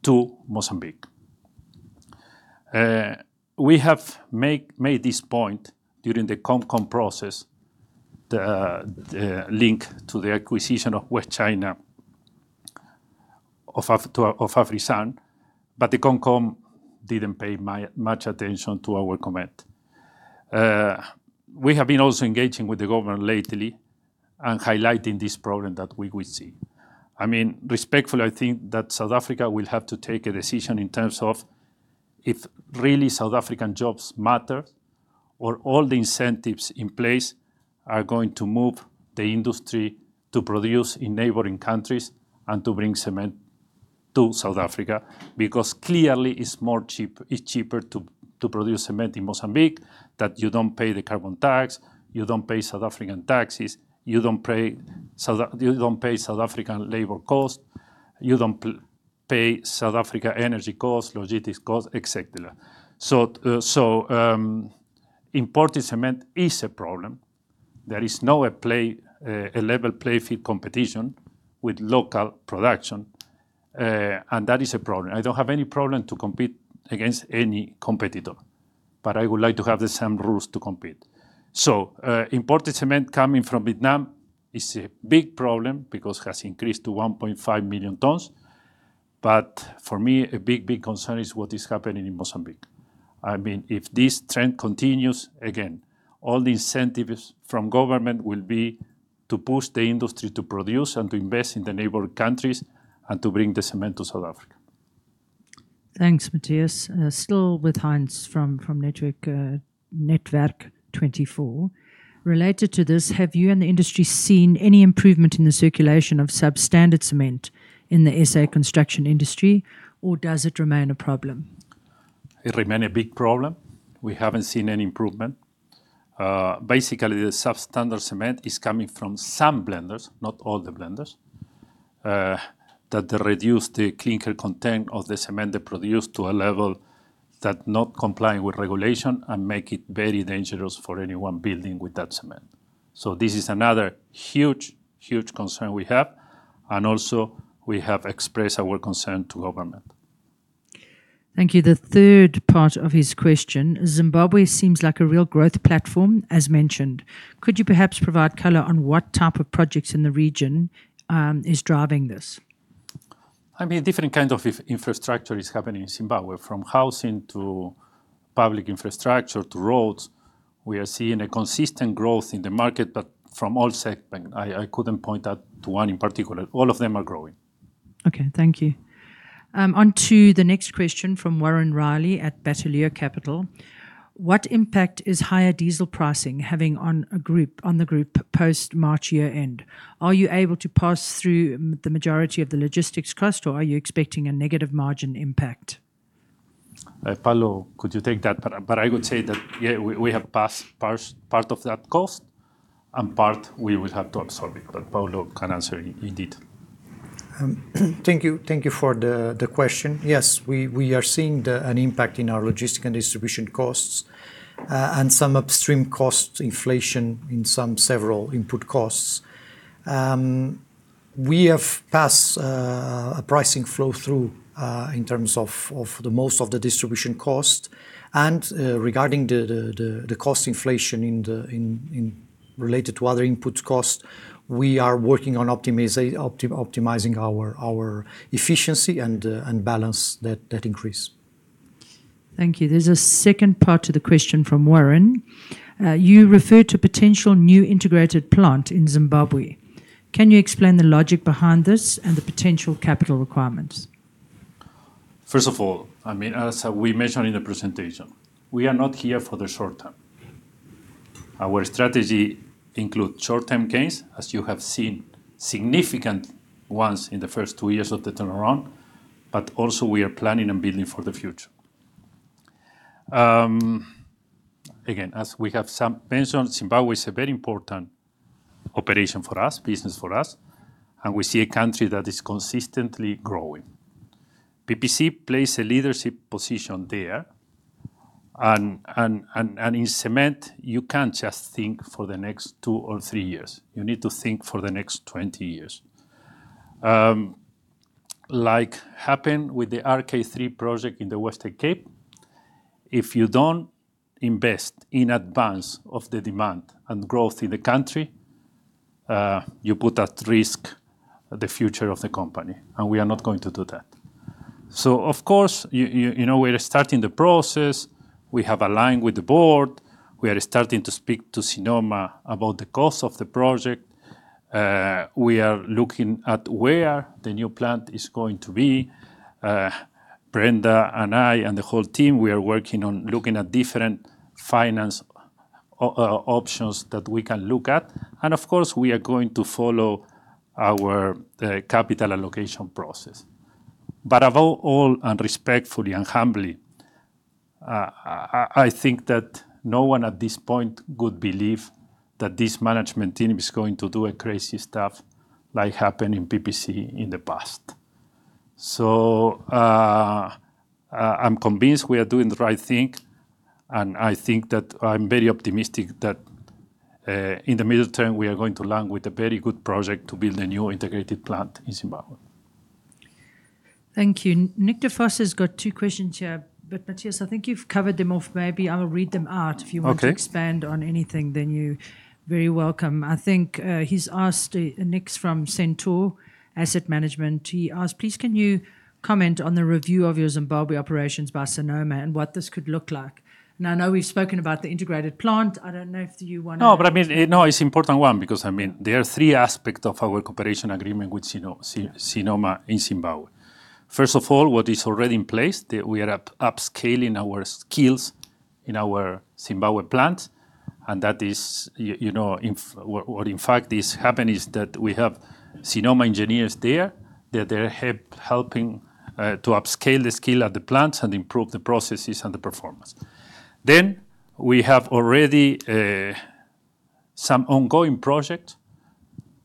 to Mozambique. We have made this point during the Comp Com process, the link to the acquisition of West China of AfriSam. The CompCom didn't pay much attention to our comment. We have been also engaging with the government lately and highlighting this problem that we would see. Respectfully, I think that South Africa will have to take a decision in terms of if really South African jobs matter or all the incentives in place are going to move the industry to produce in neighboring countries and to bring cement to South Africa. Clearly, it's cheaper to produce cement in Mozambique, that you don't pay the carbon tax, you don't pay South African taxes, you don't pay South African labor cost, you don't pay South Africa energy cost, logistics cost, et cetera. Imported cement is a problem. There is no a level playing field competition with local production. That is a problem. I don't have any problem to compete against any competitor. I would like to have the same rules to compete. Imported cement coming from Vietnam is a big problem because it has increased to 1.5 million tons. For me, a big concern is what is happening in Mozambique. If this trend continues, again, all the incentives from government will be to push the industry to produce and to invest in the neighboring countries and to bring the cement to South Africa.
Thanks, Matías. Still with Heinz from Netwerk24. "Related to this, have you and the industry seen any improvement in the circulation of substandard cement in the SA construction industry, or does it remain a problem?
It remain a big problem. We haven't seen any improvement. Basically, the substandard cement is coming from some blenders, not all the blenders, that they reduce the clinker content of the cement they produce to a level that not complying with regulation and make it very dangerous for anyone building with that cement. This is another huge concern we have, and also we have expressed our concern to government.
Thank you. The third part of his question, Zimbabwe seems like a real growth platform, as mentioned. Could you perhaps provide color on what type of projects in the region is driving this?
Different kinds of infrastructure is happening in Zimbabwe, from housing to public infrastructure to roads. We are seeing a consistent growth in the market, from all segments. I couldn't point out to one in particular. All of them are growing.
Okay, thank you. On to the next question from Warren Riley at Bateleur Capital. What impact is higher diesel pricing having on the group post-March year-end? Are you able to pass through the majority of the logistics costs, or are you expecting a negative margin impact?
Paulo, could you take that? I would say that, yeah, we have passed part of that cost and part we will have to absorb it. Paulo can answer in detail.
Thank you for the question. Yes, we are seeing an impact in our logistic and distribution costs and some several input costs. We have passed a pricing flow-through in terms of the most of the distribution cost. Regarding the cost inflation related to other input costs, we are working on optimizing our efficiency and balance that increase.
Thank you. There's a second part to the question from Warren. You referred to potential new integrated plant in Zimbabwe. Can you explain the logic behind this and the potential capital requirements?
First of all, as we mentioned in the presentation, we are not here for the short term. Our strategy includes short-term gains, as you have seen significant ones in the first two years of the turnaround, but also we are planning on building for the future. Again, as we have mentioned, Zimbabwe is a very important operation for us, business for us, and we see a country that is consistently growing. PPC plays a leadership position there. In cement, you can't just think for the next two or three years. You need to think for the next 20 years. Like happened with the RK3 project in the Western Cape, if you don't invest in advance of the demand and growth in the country, you put at risk the future of the company, and we are not going to do that. Of course, we're starting the process. We have aligned with the board. We are starting to speak to Sinoma about the cost of the project. We are looking at where the new plant is going to be. Brenda and I and the whole team, we are working on looking at different finance options that we can look at. Of course, we are going to follow our capital allocation process. Above all, and respectfully and humbly, I think that no one at this point could believe that this management team is going to do a crazy stuff like happened in PPC in the past. I'm convinced we are doing the right thing, and I think that I'm very optimistic that in the middle term, we are going to land with a very good project to build a new integrated plant in Zimbabwe.
Thank you. Nick de Vos has got two questions here, Matías, I think you've covered them off. Maybe I'll read them out.
Okay.
If you want to expand on anything, you're very welcome. I think he's asked, Nick's from Centaur Asset Management. He asked, please can you comment on the review of your Zimbabwe operations by Sinoma and what this could look like? Now, I know we've spoken about the integrated plant. I don't know if you want to.
No, it's important one because there are three aspects of our cooperation agreement with Sinoma in Zimbabwe. First of all, what is already in place, that we are upscaling our skills in our Zimbabwe plant. What, in fact, is happening is that we have Sinoma engineers there. They are helping to upscale the skill at the plants and improve the processes and the performance. We have already some ongoing project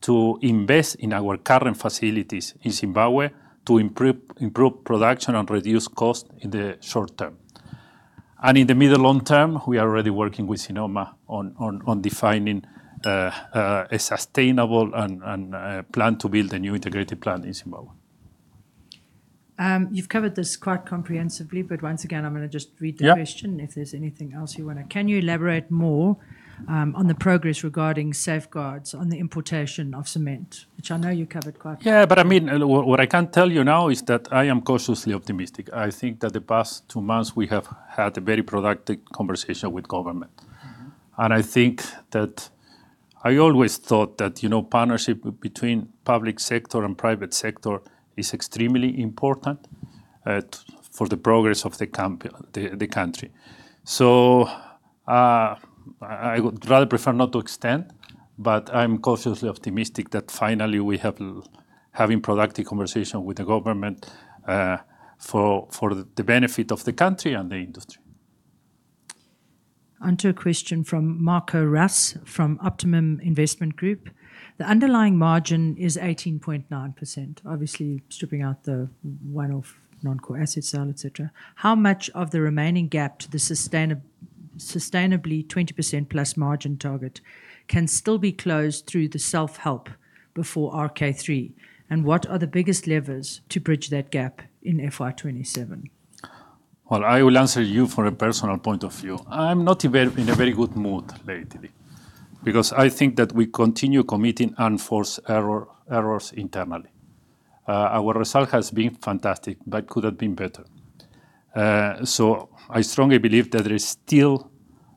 to invest in our current facilities in Zimbabwe to improve production and reduce cost in the short term. In the middle long term, we are already working with Sinoma on defining a sustainable plan to build a new integrated plant in Zimbabwe.
You've covered this quite comprehensively, once again, I'm going to just read the question.
Yeah.
If there's anything else you want to. Can you elaborate more on the progress regarding safeguards on the importation of cement? Which I know you covered quite.
What I can tell you now is that I am cautiously optimistic. I think that the past two months we have had a very productive conversation with government. I think that I always thought that partnership between public sector and private sector is extremely important for the progress of the country. I would rather prefer not to extend, but I'm cautiously optimistic that finally we are having productive conversation with the government for the benefit of the country and the industry.
On to a question from Marco Ross from Optimum Investment Group. The underlying margin is 18.9%, obviously stripping out the one-off non-core asset sale, et cetera. How much of the remaining gap to the sustainable 20%+ margin target can still be closed through the self-help before RK3? What are the biggest levers to bridge that gap in FY 2027?
Well, I will answer you from a personal point of view. I'm not in a very good mood lately because I think that we continue committing unforced errors internally. Our result has been fantastic but could have been better. I strongly believe that there is still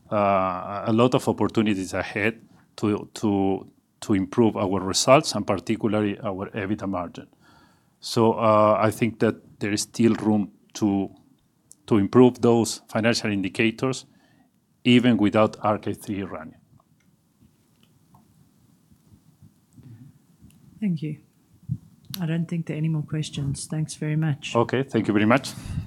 a lot of opportunities ahead to improve our results and particularly our EBITDA margin. I think that there is still room to improve those financial indicators even without RK3 running.
Thank you. I don't think there are any more questions. Thanks very much.
Okay. Thank you very much.
Thank you.